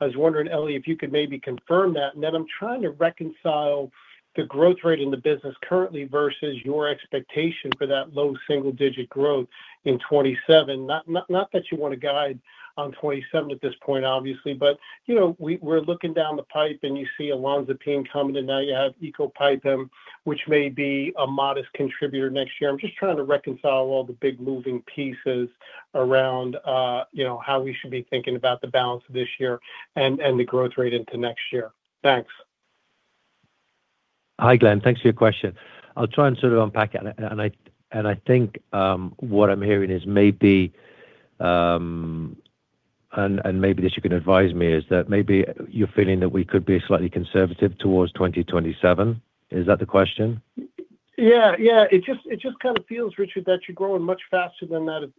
I was wondering, Eli, if you could maybe confirm that. Then I'm trying to reconcile the growth rate in the business currently versus your expectation for that low single-digit growth in 2027. Not that you want to guide on 2027 at this point, obviously, but you know, we're looking down the pipe and you see olanzapine coming in, now you have ecopipam, which may be a modest contributor next year. I'm just trying to reconcile all the big moving pieces around, you know, how we should be thinking about the balance this year and the growth rate into next year. Thanks. Hi, Glen. Thanks for your question. I'll try and sort of unpack it. I think what I'm hearing is maybe. Maybe this you can advise me is that maybe you're feeling that we could be slightly conservative towards 2027. Is that the question? Yeah. Yeah. It just kind of feels, Richard, that you're growing much faster than that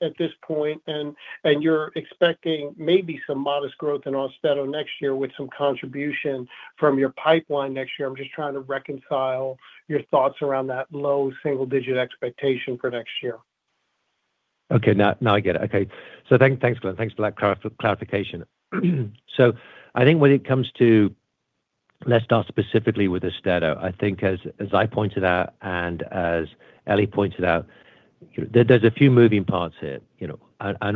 at this point and you're expecting maybe some modest growth in AUSTEDO next year with some contribution from your pipeline next year. I'm just trying to reconcile your thoughts around that low single-digit expectation for next year. Okay, now I get it. Thanks, Glen. Thanks for that clarification. I think when it comes to, let's start specifically with AUSTEDO. I think as I pointed out and as Eli pointed out, there's a few moving parts here, you know.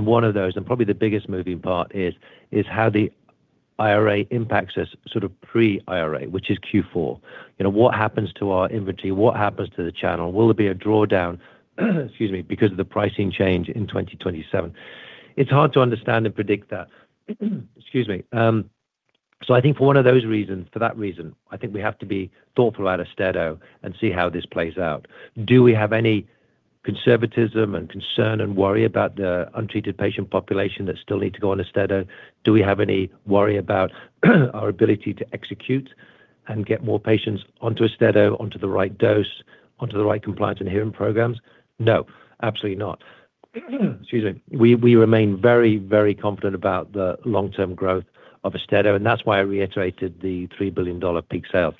One of those, and probably the biggest moving part is how the IRA impacts us sort of pre-IRA, which is Q4. You know, what happens to our inventory? What happens to the channel? Will there be a drawdown, excuse me, because of the pricing change in 2027? It's hard to understand and predict that. Excuse me. I think for one of those reasons, for that reason, I think we have to be thoughtful about AUSTEDO and see how this plays out. Do we have any conservatism and concern and worry about the untreated patient population that still need to go on AUSTEDO? Do we have any worry about our ability to execute and get more patients onto AUSTEDO, onto the right dose, onto the right compliance and hearing programs? No, absolutely not. Excuse me. We remain very, very confident about the long-term growth of AUSTEDO, and that's why I reiterated the $3 billion peak sale.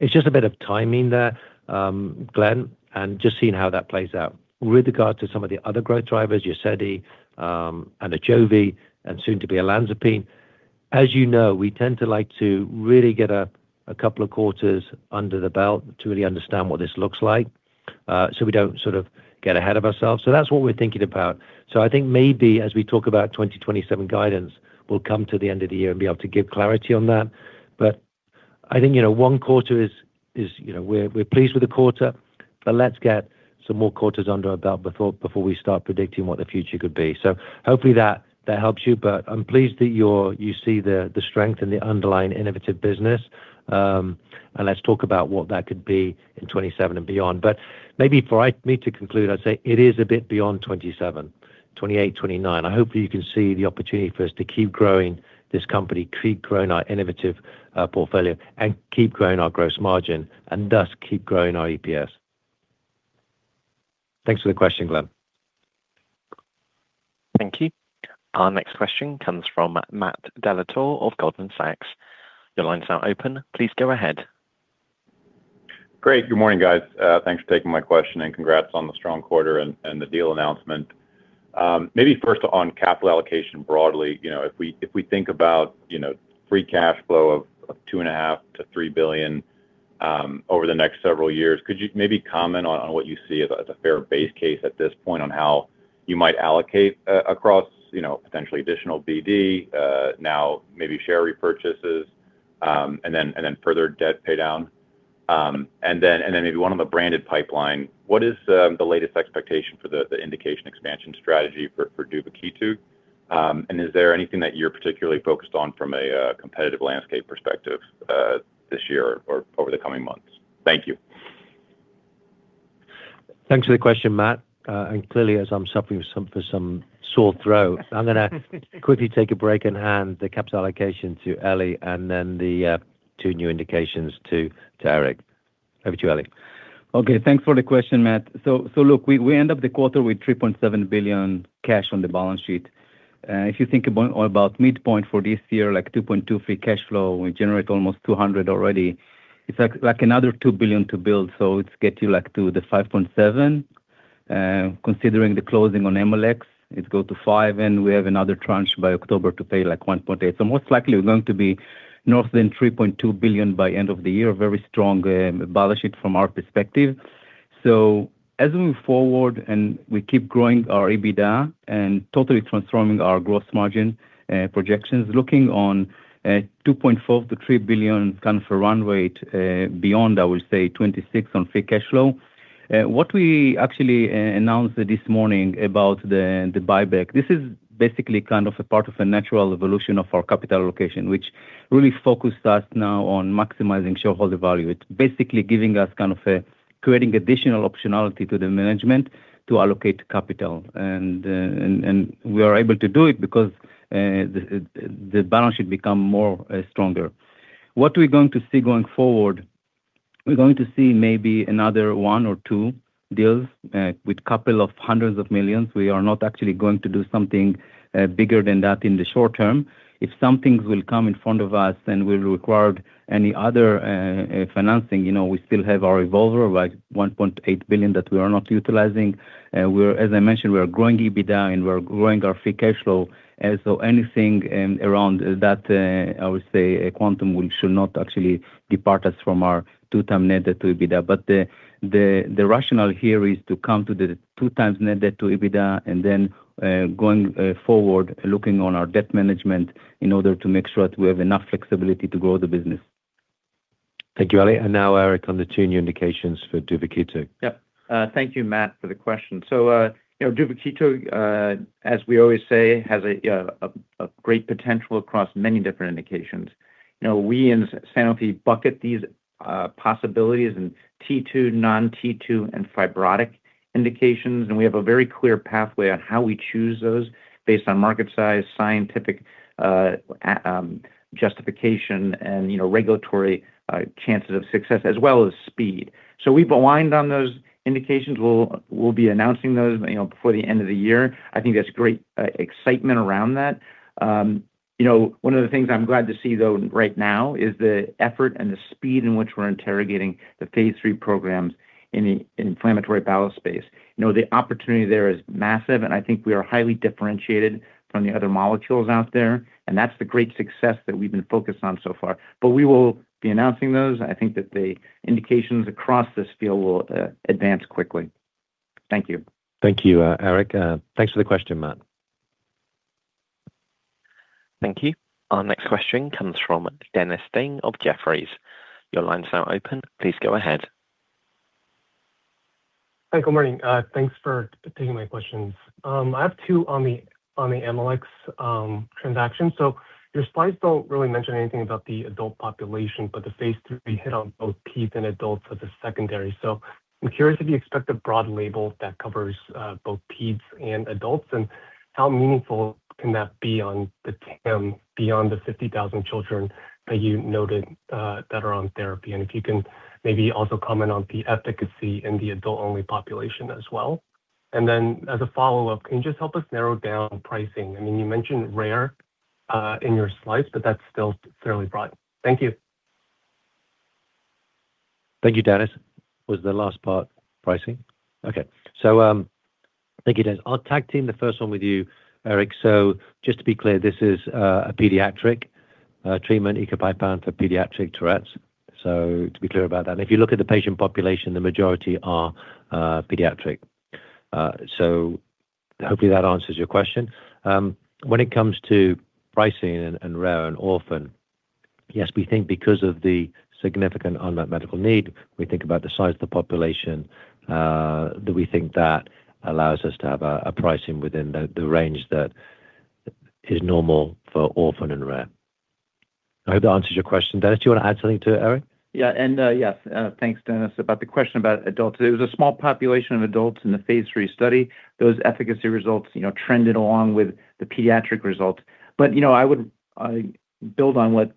It's just a bit of timing there, Glen, and just seeing how that plays out. With regards to some of the other growth drivers, UZEDY, and AJOVY, and soon to be olanzapine. As you know, we tend to like to really get a couple of quarters under the belt to really understand what this looks like, so we don't sort of get ahead of ourselves. That's what we're thinking about. I think maybe as we talk about 2027 guidance, we'll come to the end of the year and be able to give clarity on that. I think, you know, one quarter is, you know, we're pleased with the quarter, but let's get some more quarters under our belt before we start predicting what the future could be. Hopefully that helps you. I'm pleased that you see the strength in the underlying innovative business. Let's talk about what that could be in 2027 and beyond. Maybe for me to conclude, I'd say it is a bit beyond 2027, 2028, 2029. I hope you can see the opportunity for us to keep growing this company, keep growing our innovative portfolio, and keep growing our gross margin, and thus keep growing our EPS. Thanks for the question, Glen. Thank you. Our next question comes from Matt Dellatorre of Goldman Sachs. Your line's now open. Please go ahead. Great. Good morning, guys. Thanks for taking my question, and congrats on the strong quarter and the deal announcement. Maybe first on capital allocation broadly. You know, if we think about, you know, free cash flow of $2.5 billion-$3 billion over the next several years, could you maybe comment on what you see as a fair base case at this point on how you might allocate across, you know, potentially additional BD, now maybe share repurchases, and then further debt pay down? Then maybe one on the branded pipeline. What is the latest expectation for the indication expansion strategy for duvakitug? Is there anything that you're particularly focused on from a competitive landscape perspective this year or over the coming months? Thank you. Thanks for the question, Matt. Clearly, as I'm suffering with some sore throat, I am going to quickly take a break and hand the capital allocation to Eli and then the two new indications to Eric. Over to you, Eli. Okay. Thanks for the question, Matt. Look, we end up the quarter with $3.7 billion cash on the balance sheet. If you think about midpoint for this year, like $2.2 free cash flow, we generate almost $200 already. It's like another $2 billion to build, it get you like to the $5.7. Considering the closing on Emalex, it go to $5, and we have another tranche by October to pay like $1.8. Most likely we're going to be north than $3.2 billion by end of the year. Very strong balance sheet from our perspective. As we move forward and we keep growing our EBITDA and totally transforming our gross margin, projections, looking on $2.4 billion-$3 billion kind of a run rate, beyond, I would say, 2026 on free cash flow. What we actually announced this morning about the buyback, this is basically kind of a part of a natural evolution of our capital allocation, which really focus us now on maximizing shareholder value. It's basically giving us kind of a creating additional optionality to the management to allocate capital. We are able to do it because the balance sheet become more stronger. What we're going to see going forward, we're going to see maybe another one or two deals, with couple of hundreds of millions. We are not actually going to do something bigger than that in the short term. If some things will come in front of us and will require any other financing, you know, we still have our revolver, like $1.8 billion that we are not utilizing. We're, as I mentioned, we are growing EBITDA, and we are growing our free cash flow. Anything around that, I would say quantum, we should not actually depart us from our 2x net to EBITDA. The rationale here is to come to the 2x net debt to EBITDA and then going forward, looking on our debt management in order to make sure that we have enough flexibility to grow the business. Thank you, Eli. Now, Eric, on the two new indications for duvakitug. Yep. Thank you, Matt, for the question. You know, duvakitug, as we always say, has a great potential across many different indications. You know, we in Sanofi bucket these possibilities in T2, non-T2, and fibrotic indications, and we have a very clear pathway on how we choose those based on market size, scientific justification and, you know, regulatory chances of success, as well as speed. We've aligned on those indications. We'll be announcing those, you know, before the end of the year. I think there's great excitement around that. You know, one of the things I'm glad to see though right now is the effort and the speed in which we're interrogating the phase III programs in the inflammatory bowel space. You know, the opportunity there is massive, and I think we are highly differentiated from the other molecules out there, and that's the great success that we've been focused on so far. We will be announcing those. I think that the indications across this field will advance quickly. Thank you. Thank you, Eric. Thanks for the question, Matt. Thank you. Our next question comes from Dennis Ding of Jefferies. Your line's now open. Please go ahead. Hi. Good morning. Thanks for taking my questions. I have two on the, on the Amylyx transaction. Your slides don't really mention anything about the adult population, but the phase III hit on both peds and adults as a secondary. I'm curious if you expect a broad label that covers both peds and adults, and how meaningful can that be on the tail beyond the 50,000 children that you noted that are on therapy? If you can maybe also comment on the efficacy in the adult-only population as well. As a follow-up, can you just help us narrow down pricing? I mean, you mentioned rare in your slides, but that's still fairly broad. Thank you. Thank you, Dennis. Was the last part pricing? Okay. Thank you, Dennis. I'll tag team the first one with you, Eric. Just to be clear, this is a pediatric treatment, ecopipam for pediatric Tourette syndrome. To be clear about that. If you look at the patient population, the majority are pediatric. Hopefully that answers your question. When it comes to pricing and rare and orphan, yes, we think because of the significant unmet medical need, we think about the size of the population that we think that allows us to have a pricing within the range that is normal for orphan and rare. I hope that answers your question, Dennis. Do you want to add something to it, Eric? Yeah. Yes, thanks, Dennis. About the question about adults, it was a small population of adults in the phase III study. Those efficacy results, you know, trended along with the pediatric results. You know, I would build on what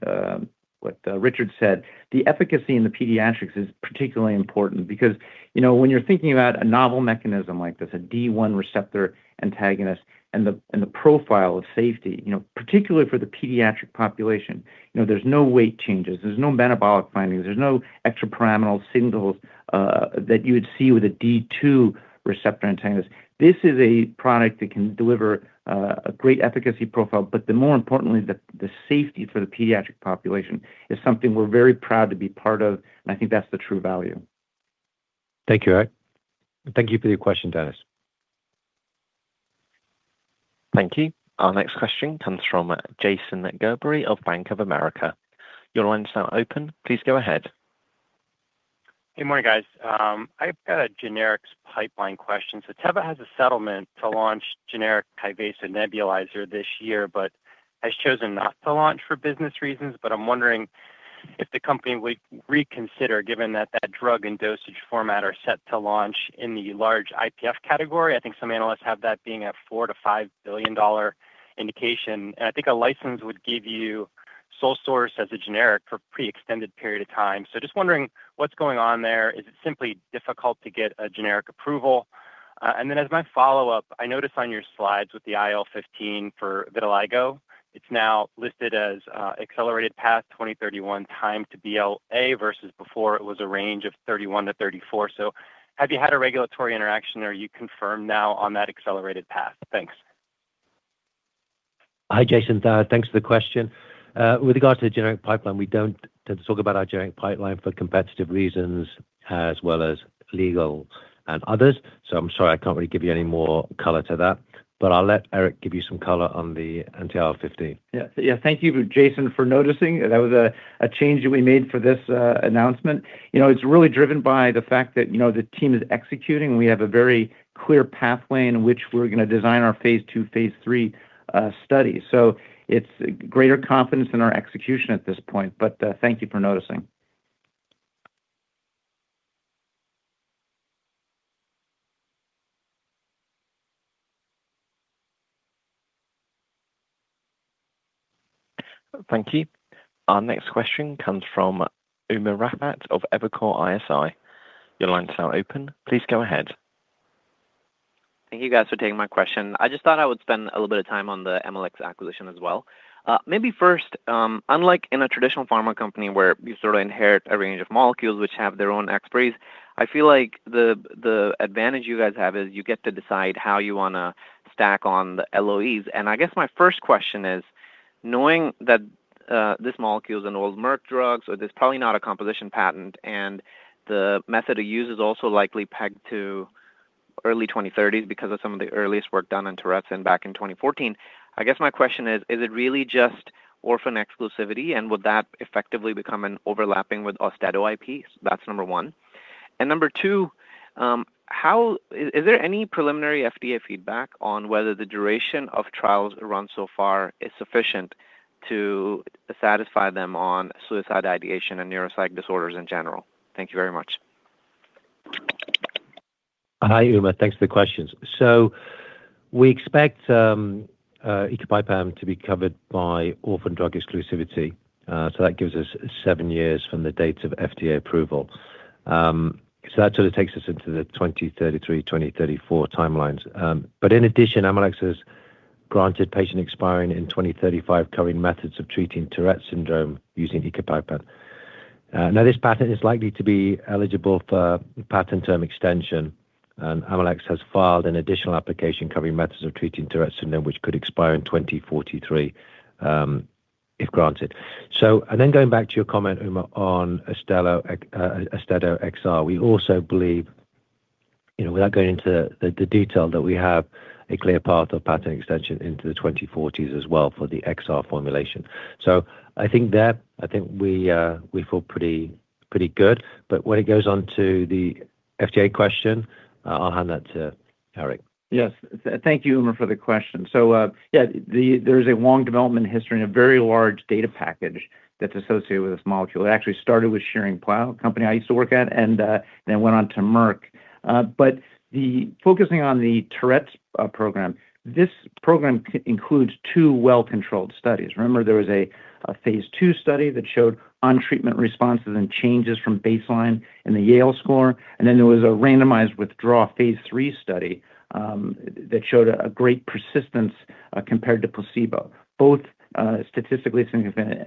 Richard said. The efficacy in the pediatrics is particularly important because, you know, when you're thinking about a novel mechanism like this, a D1 receptor antagonist and the, and the profile of safety, you know, particularly for the pediatric population, you know, there's no weight changes. There's no metabolic findings. There's no extra pyramidal signals that you would see with a D2 receptor antagonist. This is a product that can deliver a great efficacy profile. The more importantly, the safety for the pediatric population is something we're very proud to be part of, and I think that's the true value. Thank you, Eric. Thank you for your question, Dennis. Thank you. Our next question comes from Jason Gerberry of Bank of America. Your line's now open. Please go ahead. Good morning, guys. I've got a generics pipeline question. Teva has a settlement to launch generic TYVASO nebulizer this year, but has chosen not to launch for business reasons. I'm wondering if the company would reconsider given that that drug and dosage format are set to launch in the large IPF category. I think some analysts have that being a $4 billion-$5 billion indication. I think a license would give you sole source as a generic for pre-extended period of time. Just wondering what's going on there. Is it simply difficult to get a generic approval? As my follow-up, I noticed on your slides with the IL-15 for vitiligo, it's now listed as accelerated path 2031 time to BLA versus before it was a range of 2031-2034. Have you had a regulatory interaction, or are you confirmed now on that accelerated path? Thanks. Hi, Jason. Thanks for the question. With regards to the generic pipeline, we don't tend to talk about our generic pipeline for competitive reasons as well as legal and others. I'm sorry, I can't really give you any more color to that. I'll let Eric give you some color on the anti-IL-15. Yeah. Yeah. Thank you, Jason, for noticing. That was a change that we made for this announcement. You know, it's really driven by the fact that, you know, the team is executing. We have a very clear pathway in which we're gonna design our phase II, phase III study. It's greater confidence in our execution at this point. Thank you for noticing. Thank you. Our next question comes from Umer Raffat of Evercore ISI. Your line's now open. Please go ahead. Thank you guys for taking my question. I just thought I would spend a little bit of time on the Amylyx acquisition as well. Maybe first, unlike in a traditional pharma company where you sort of inherit a range of molecules which have their own expiries, I feel like the advantage you guys have is you get to decide how you wanna stack on the LOEs. I guess my first question is, knowing that this molecule is an old Merck drug, so there's probably not a composition patent, and the method of use is also likely pegged to early 2030s because of some of the earliest work done in Tourette's and back in 2014, I guess my question is it really just orphan exclusivity, and would that effectively become an overlapping with AUSTEDO IPs? That's number one. Number two, how? Is there any preliminary FDA feedback on whether the duration of trials run so far is sufficient to satisfy them on suicide ideation and neuropsych disorders in general? Thank you very much. Hi, Umer. Thanks for the questions. We expect ecopipam to be covered by orphan drug exclusivity. That gives us seven years from the date of FDA approval. That sort of takes us into the 2033, 2034 timelines. In addition, Amylyx has granted patent expiring in 2035 covering methods of treating Tourette syndrome using ecopipam. This patent is likely to be eligible for patent term extension, and Amylyx has filed an additional application covering methods of treating Tourette syndrome, which could expire in 2043. If granted. Going back to your comment, Umer, on AUSTEDO XR, we also believe, you know, without going into the detail that we have a clear path of patent extension into the 2040s as well for the XR formulation. I think there, I think we feel pretty good. When it goes on to the FDA question, I'll hand that to Eric. Thank you, Umer, for the question. There's a long development history and a very large data package that's associated with this molecule. It actually started with Schering-Plough, a company I used to work at, then went on to Merck. Focusing on the Tourette's program, this program includes two well-controlled studies. Remember, there was a phase II study that showed on-treatment responses and changes from baseline in the Yale score, there was a randomized withdraw phase III study that showed a great persistence compared to placebo, both statistically significant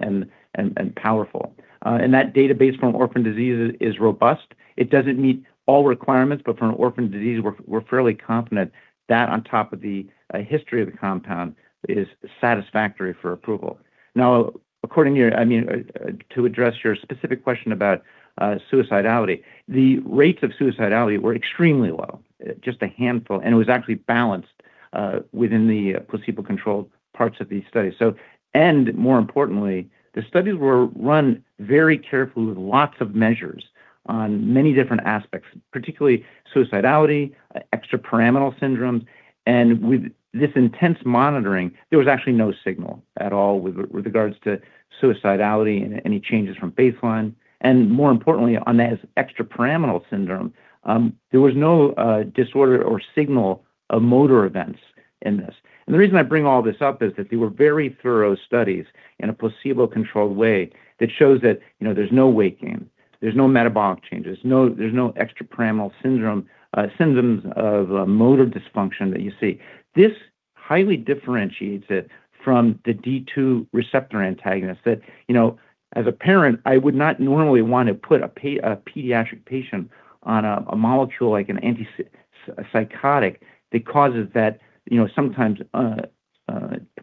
and powerful. That database from orphan disease is robust. It doesn't meet all requirements, from an orphan disease, we're fairly confident that on top of the history of the compound is satisfactory for approval. Now, according to your, I mean, to address your specific question about suicidality, the rates of suicidality were extremely low, just a handful, and it was actually balanced within the placebo-controlled parts of these studies. More importantly, the studies were run very carefully with lots of measures on many different aspects, particularly suicidality, extrapyramidal syndromes. With this intense monitoring, there was actually no signal at all with regards to suicidality and any changes from baseline. More importantly, on that extrapyramidal syndrome, there was no disorder or signal of motor events in this. The reason I bring all this up is that they were very thorough studies in a placebo-controlled way that shows that, you know, there's no weight gain, there's no metabolic changes, there's no extrapyramidal syndrome symptoms of motor dysfunction that you see. This highly differentiates it from the D2 receptor antagonist that, you know, as a parent, I would not normally want to put a pediatric patient on a molecule like an antipsychotic that causes that, you know, sometimes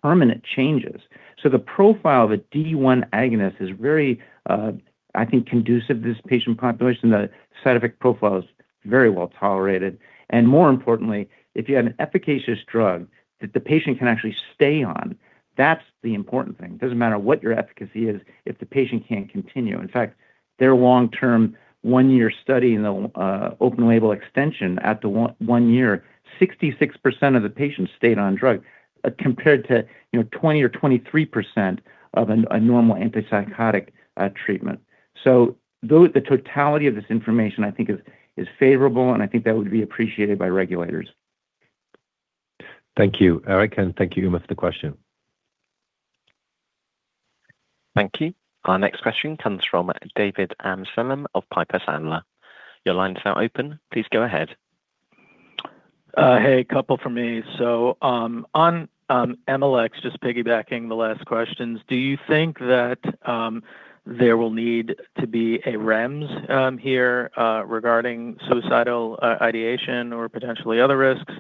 permanent changes. The profile of a D1 agonist is very, I think conducive to this patient population. The side effect profile is very well tolerated. More importantly, if you have an efficacious drug that the patient can actually stay on, that's the important thing. It doesn't matter what your efficacy is if the patient can't continue. In fact, their long-term one-year study in the open-label extension at the one year, 66% of the patients stayed on drug compared to, you know, 20% or 23% of a normal antipsychotic treatment. The totality of this information I think is favorable, and I think that would be appreciated by regulators. Thank you, Eric, and thank you, Umer, for the question. Thank you. Our next question comes from David Amsellem of Piper Sandler. Your line is now open. Please go ahead. Hey, a couple from me. On Emalex, just piggybacking the last questions, do you think that there will need to be a REMS here regarding suicidal ideation or potentially other risks?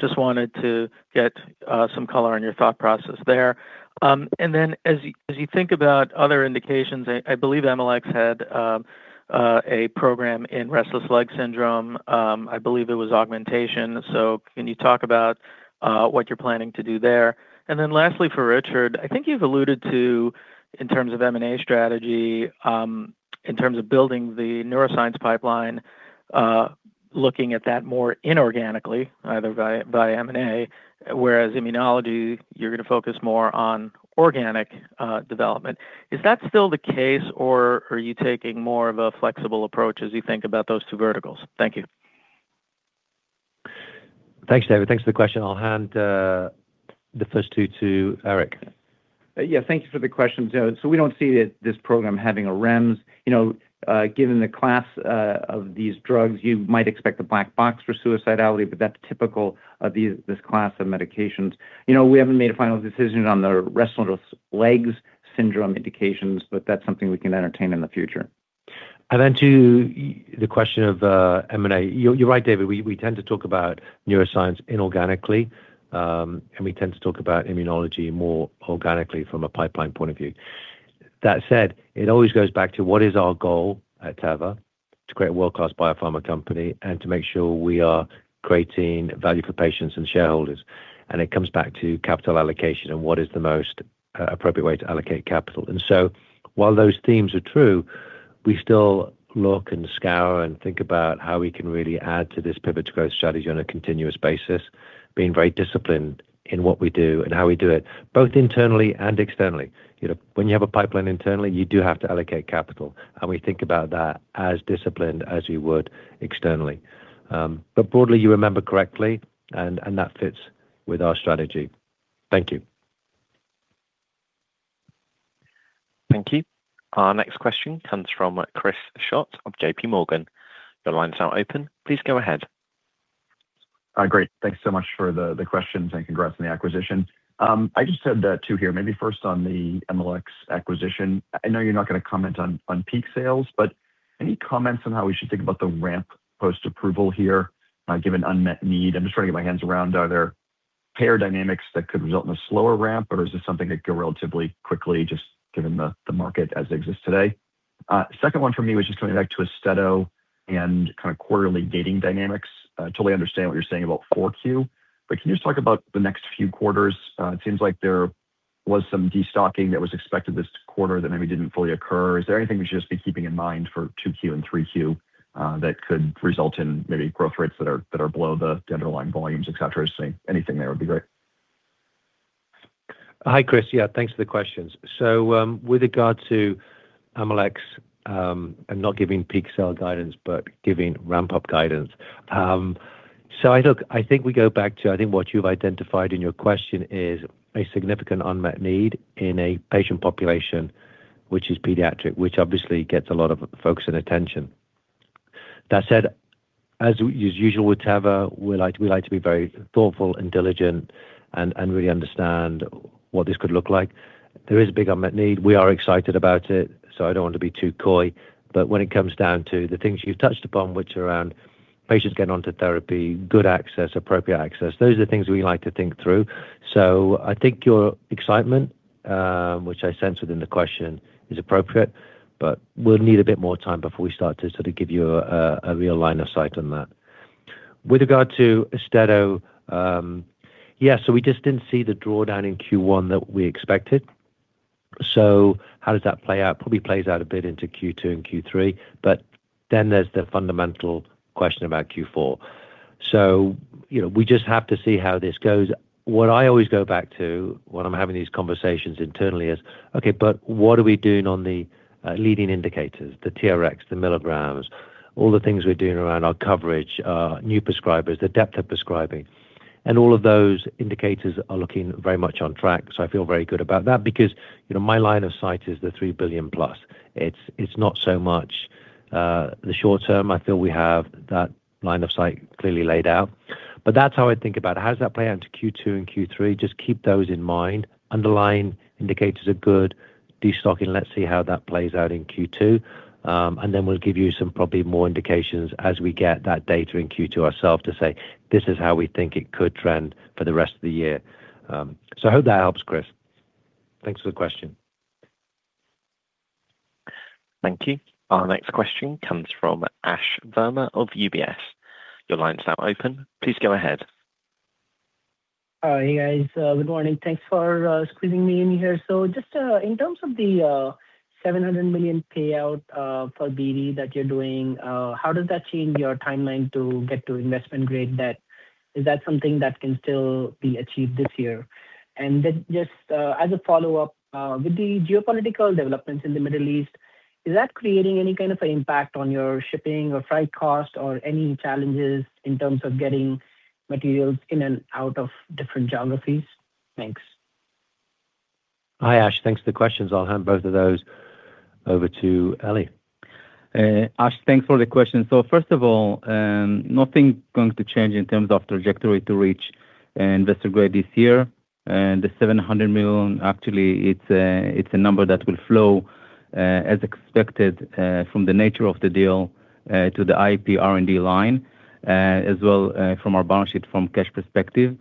Just wanted to get some color on your thought process there. As you think about other indications, I believe Emalex had a program in restless leg syndrome. I believe it was augmentation. Can you talk about what you're planning to do there? Lastly for Richard, I think you've alluded to, in terms of M&A strategy, in terms of building the neuroscience pipeline, looking at that more inorganically, either via M&A, whereas immunology, you're going to focus more on organic development. Is that still the case or are you taking more of a flexible approach as you think about those two verticals? Thank you. Thanks, David. Thanks for the question. I'll hand the first two to Eric. Yeah, thank you for the question, David. We don't see this program having a REMS. You know, given the class of these drugs, you might expect a black box for suicidality, but that's typical of this class of medications. You know, we haven't made a final decision on the restless legs syndrome indications, but that's something we can entertain in the future. To the question of M&A. You're right, David. We tend to talk about neuroscience inorganically, and we tend to talk about immunology more organically from a pipeline point of view. That said, it always goes back to what is our goal at Teva to create a world-class biopharma company and to make sure we are creating value for patients and shareholders. It comes back to capital allocation and what is the most appropriate way to allocate capital. While those themes are true, we still look and scour and think about how we can really add to this Pivot to Growth strategy on a continuous basis, being very disciplined in what we do and how we do it, both internally and externally. You know, when you have a pipeline internally, you do have to allocate capital, and we think about that as disciplined as we would externally. Broadly, you remember correctly, and that fits with our strategy. Thank you. Thank you. Our next question comes from Chris Schott of JPMorgan. Please go ahead. Great. Thanks so much for the questions, and congrats on the acquisition. I just had two here. Maybe first on the Emalex acquisition. I know you're not gonna comment on peak sales. Any comments on how we should think about the ramp post-approval here, given unmet need? I'm just trying to get my hands around, are there payer dynamics that could result in a slower ramp, or is this something that could go relatively quickly just given the market as it exists today? Second one for me was just coming back to AUSTEDO and kind of quarterly dating dynamics. I totally understand what you're saying about Q4. Can you just talk about the next few quarters? It seems like there was some destocking that was expected this quarter that maybe didn't fully occur. Is there anything we should just be keeping in mind for 2Q and 3Q that could result in maybe growth rates that are below the underlying volumes, et cetera? Anything there would be great. Hi, Chris. Yeah, thanks for the questions. With regard to Emalex, I'm not giving peak sale guidance, but giving ramp-up guidance. Look, I think we go back to what you've identified in your question is a significant unmet need in a patient population which is pediatric, which obviously gets a lot of focus and attention. That said, as usual with Teva, we like to be very thoughtful and diligent and really understand what this could look like. There is a big unmet need. We are excited about it, I don't want to be too coy. When it comes down to the things you've touched upon which are around patients getting onto therapy, good access, appropriate access, those are the things we like to think through. I think your excitement, which I sense within the question, is appropriate, but we'll need a bit more time before we start to sort of give you a real line of sight on that. With regard to AUSTEDO, yeah, we just didn't see the drawdown in Q1 that we expected. How does that play out? Probably plays out a bit into Q2 and Q3, but then there's the fundamental question about Q4. You know, we just have to see how this goes. What I always go back to when I'm having these conversations internally is, okay, but what are we doing on the leading indicators, the TRx, the milligrams, all the things we're doing around our coverage, new prescribers, the depth of prescribing? All of those indicators are looking very much on track, so I feel very good about that because, you know, my line of sight is the $3 billion plus. It's not so much the short term. I feel we have that line of sight clearly laid out. That's how I think about it. How does that play out into Q2 and Q3? Just keep those in mind. Underlying indicators are good. Destocking, let's see how that plays out in Q2. Then we'll give you some probably more indications as we get that data in Q2 ourselves to say, "This is how we think it could trend for the rest of the year." I hope that helps, Chris. Thanks for the question. Thank you. Our next question comes from Ash Verma of UBS. Your line's now open. Please go ahead. Hey, guys. Good morning. Thanks for squeezing me in here. In terms of the $700 million payout for BD that you're doing, how does that change your timeline to get to investment grade debt? Is that something that can still be achieved this year? As a follow-up, with the geopolitical developments in the Middle East, is that creating any kind of an impact on your shipping or freight cost or any challenges in terms of getting materials in and out of different geographies? Thanks. Hi, Ash. Thanks for the questions. I'll hand both of those over to Eli. Ash, thanks for the question. First of all, nothing going to change in terms of trajectory to reach investor grade this year. The $700 million, actually it's a number that will flow as expected from the nature of the deal to the IP R&D line as well from our balance sheet from cash perspective.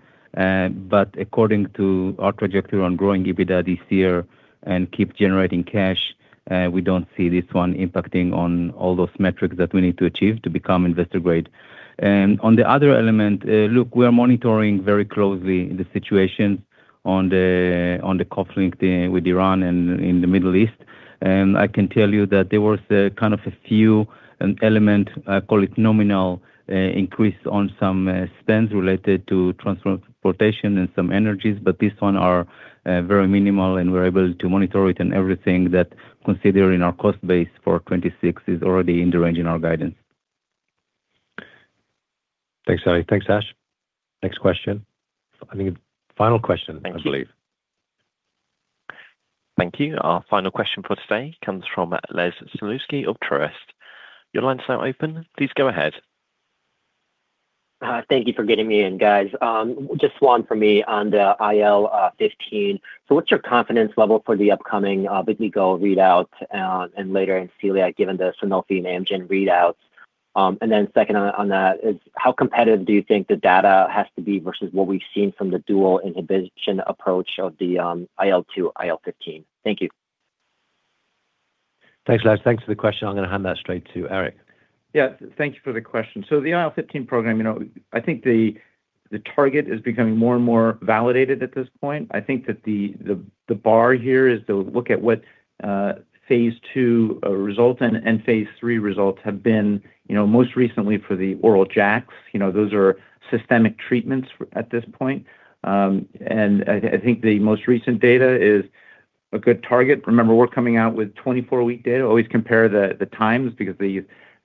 According to our trajectory on growing EBITDA this year and keep generating cash, we don't see this one impacting on all those metrics that we need to achieve to become investor grade. On the other element, look, we are monitoring very closely the situation on the conflict with Iran and in the Middle East. I can tell you that there was a kind of a few elements, I call it nominal, increase on some spends related to transportation and some energies, but these are very minimal, and we're able to monitor it. Everything, considering our cost base for 2026, is already in the range in our guidance. Thanks, Eli. Thanks, Ash. Next question. I think final question, I believe. Thank you. Our final question for today comes from Les Sulewski of Truist. Your line's now open. Please go ahead. Thank you for getting me in, guys. Just one for me on the IL-15. What's your confidence level for the upcoming Eagle readout, and later in celiac, given the Sanofi and Amgen readouts? Second on that is how competitive do you think the data has to be versus what we've seen from the dual inhibition approach of the IL-2/IL-15? Thank you. Thanks, Les. Thanks for the question. I'm gonna hand that straight to Eric. Yeah, thank you for the question. The IL-15 program, you know, I think the target is becoming more and more validated at this point. I think that the bar here is to look at what phase II results and phase III results have been, you know, most recently for the oral JAKs. Those are systemic treatments at this point. I think the most recent data is a good target. Remember, we're coming out with 24-week data. Always compare the times because the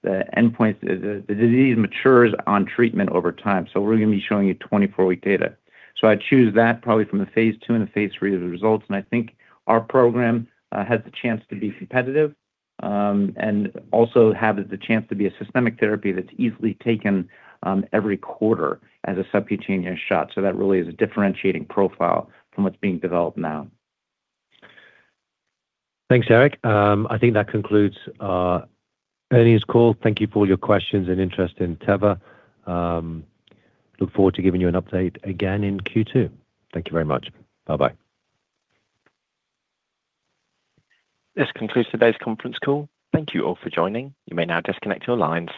endpoint. The disease matures on treatment over time, so we're gonna be showing you 24-week data. I choose that probably from the phase II and the phase III results, and I think our program has the chance to be competitive, and also has the chance to be a systemic therapy that's easily taken, every quarter as a subcutaneous shot. That really is a differentiating profile from what's being developed now. Thanks, Eric. I think that concludes our earnings call. Thank you for all your questions and interest in Teva. I look forward to giving you an update again in Q2. Thank you very much. Bye-bye. This concludes today's conference call. Thank you all for joining. You may now disconnect your lines.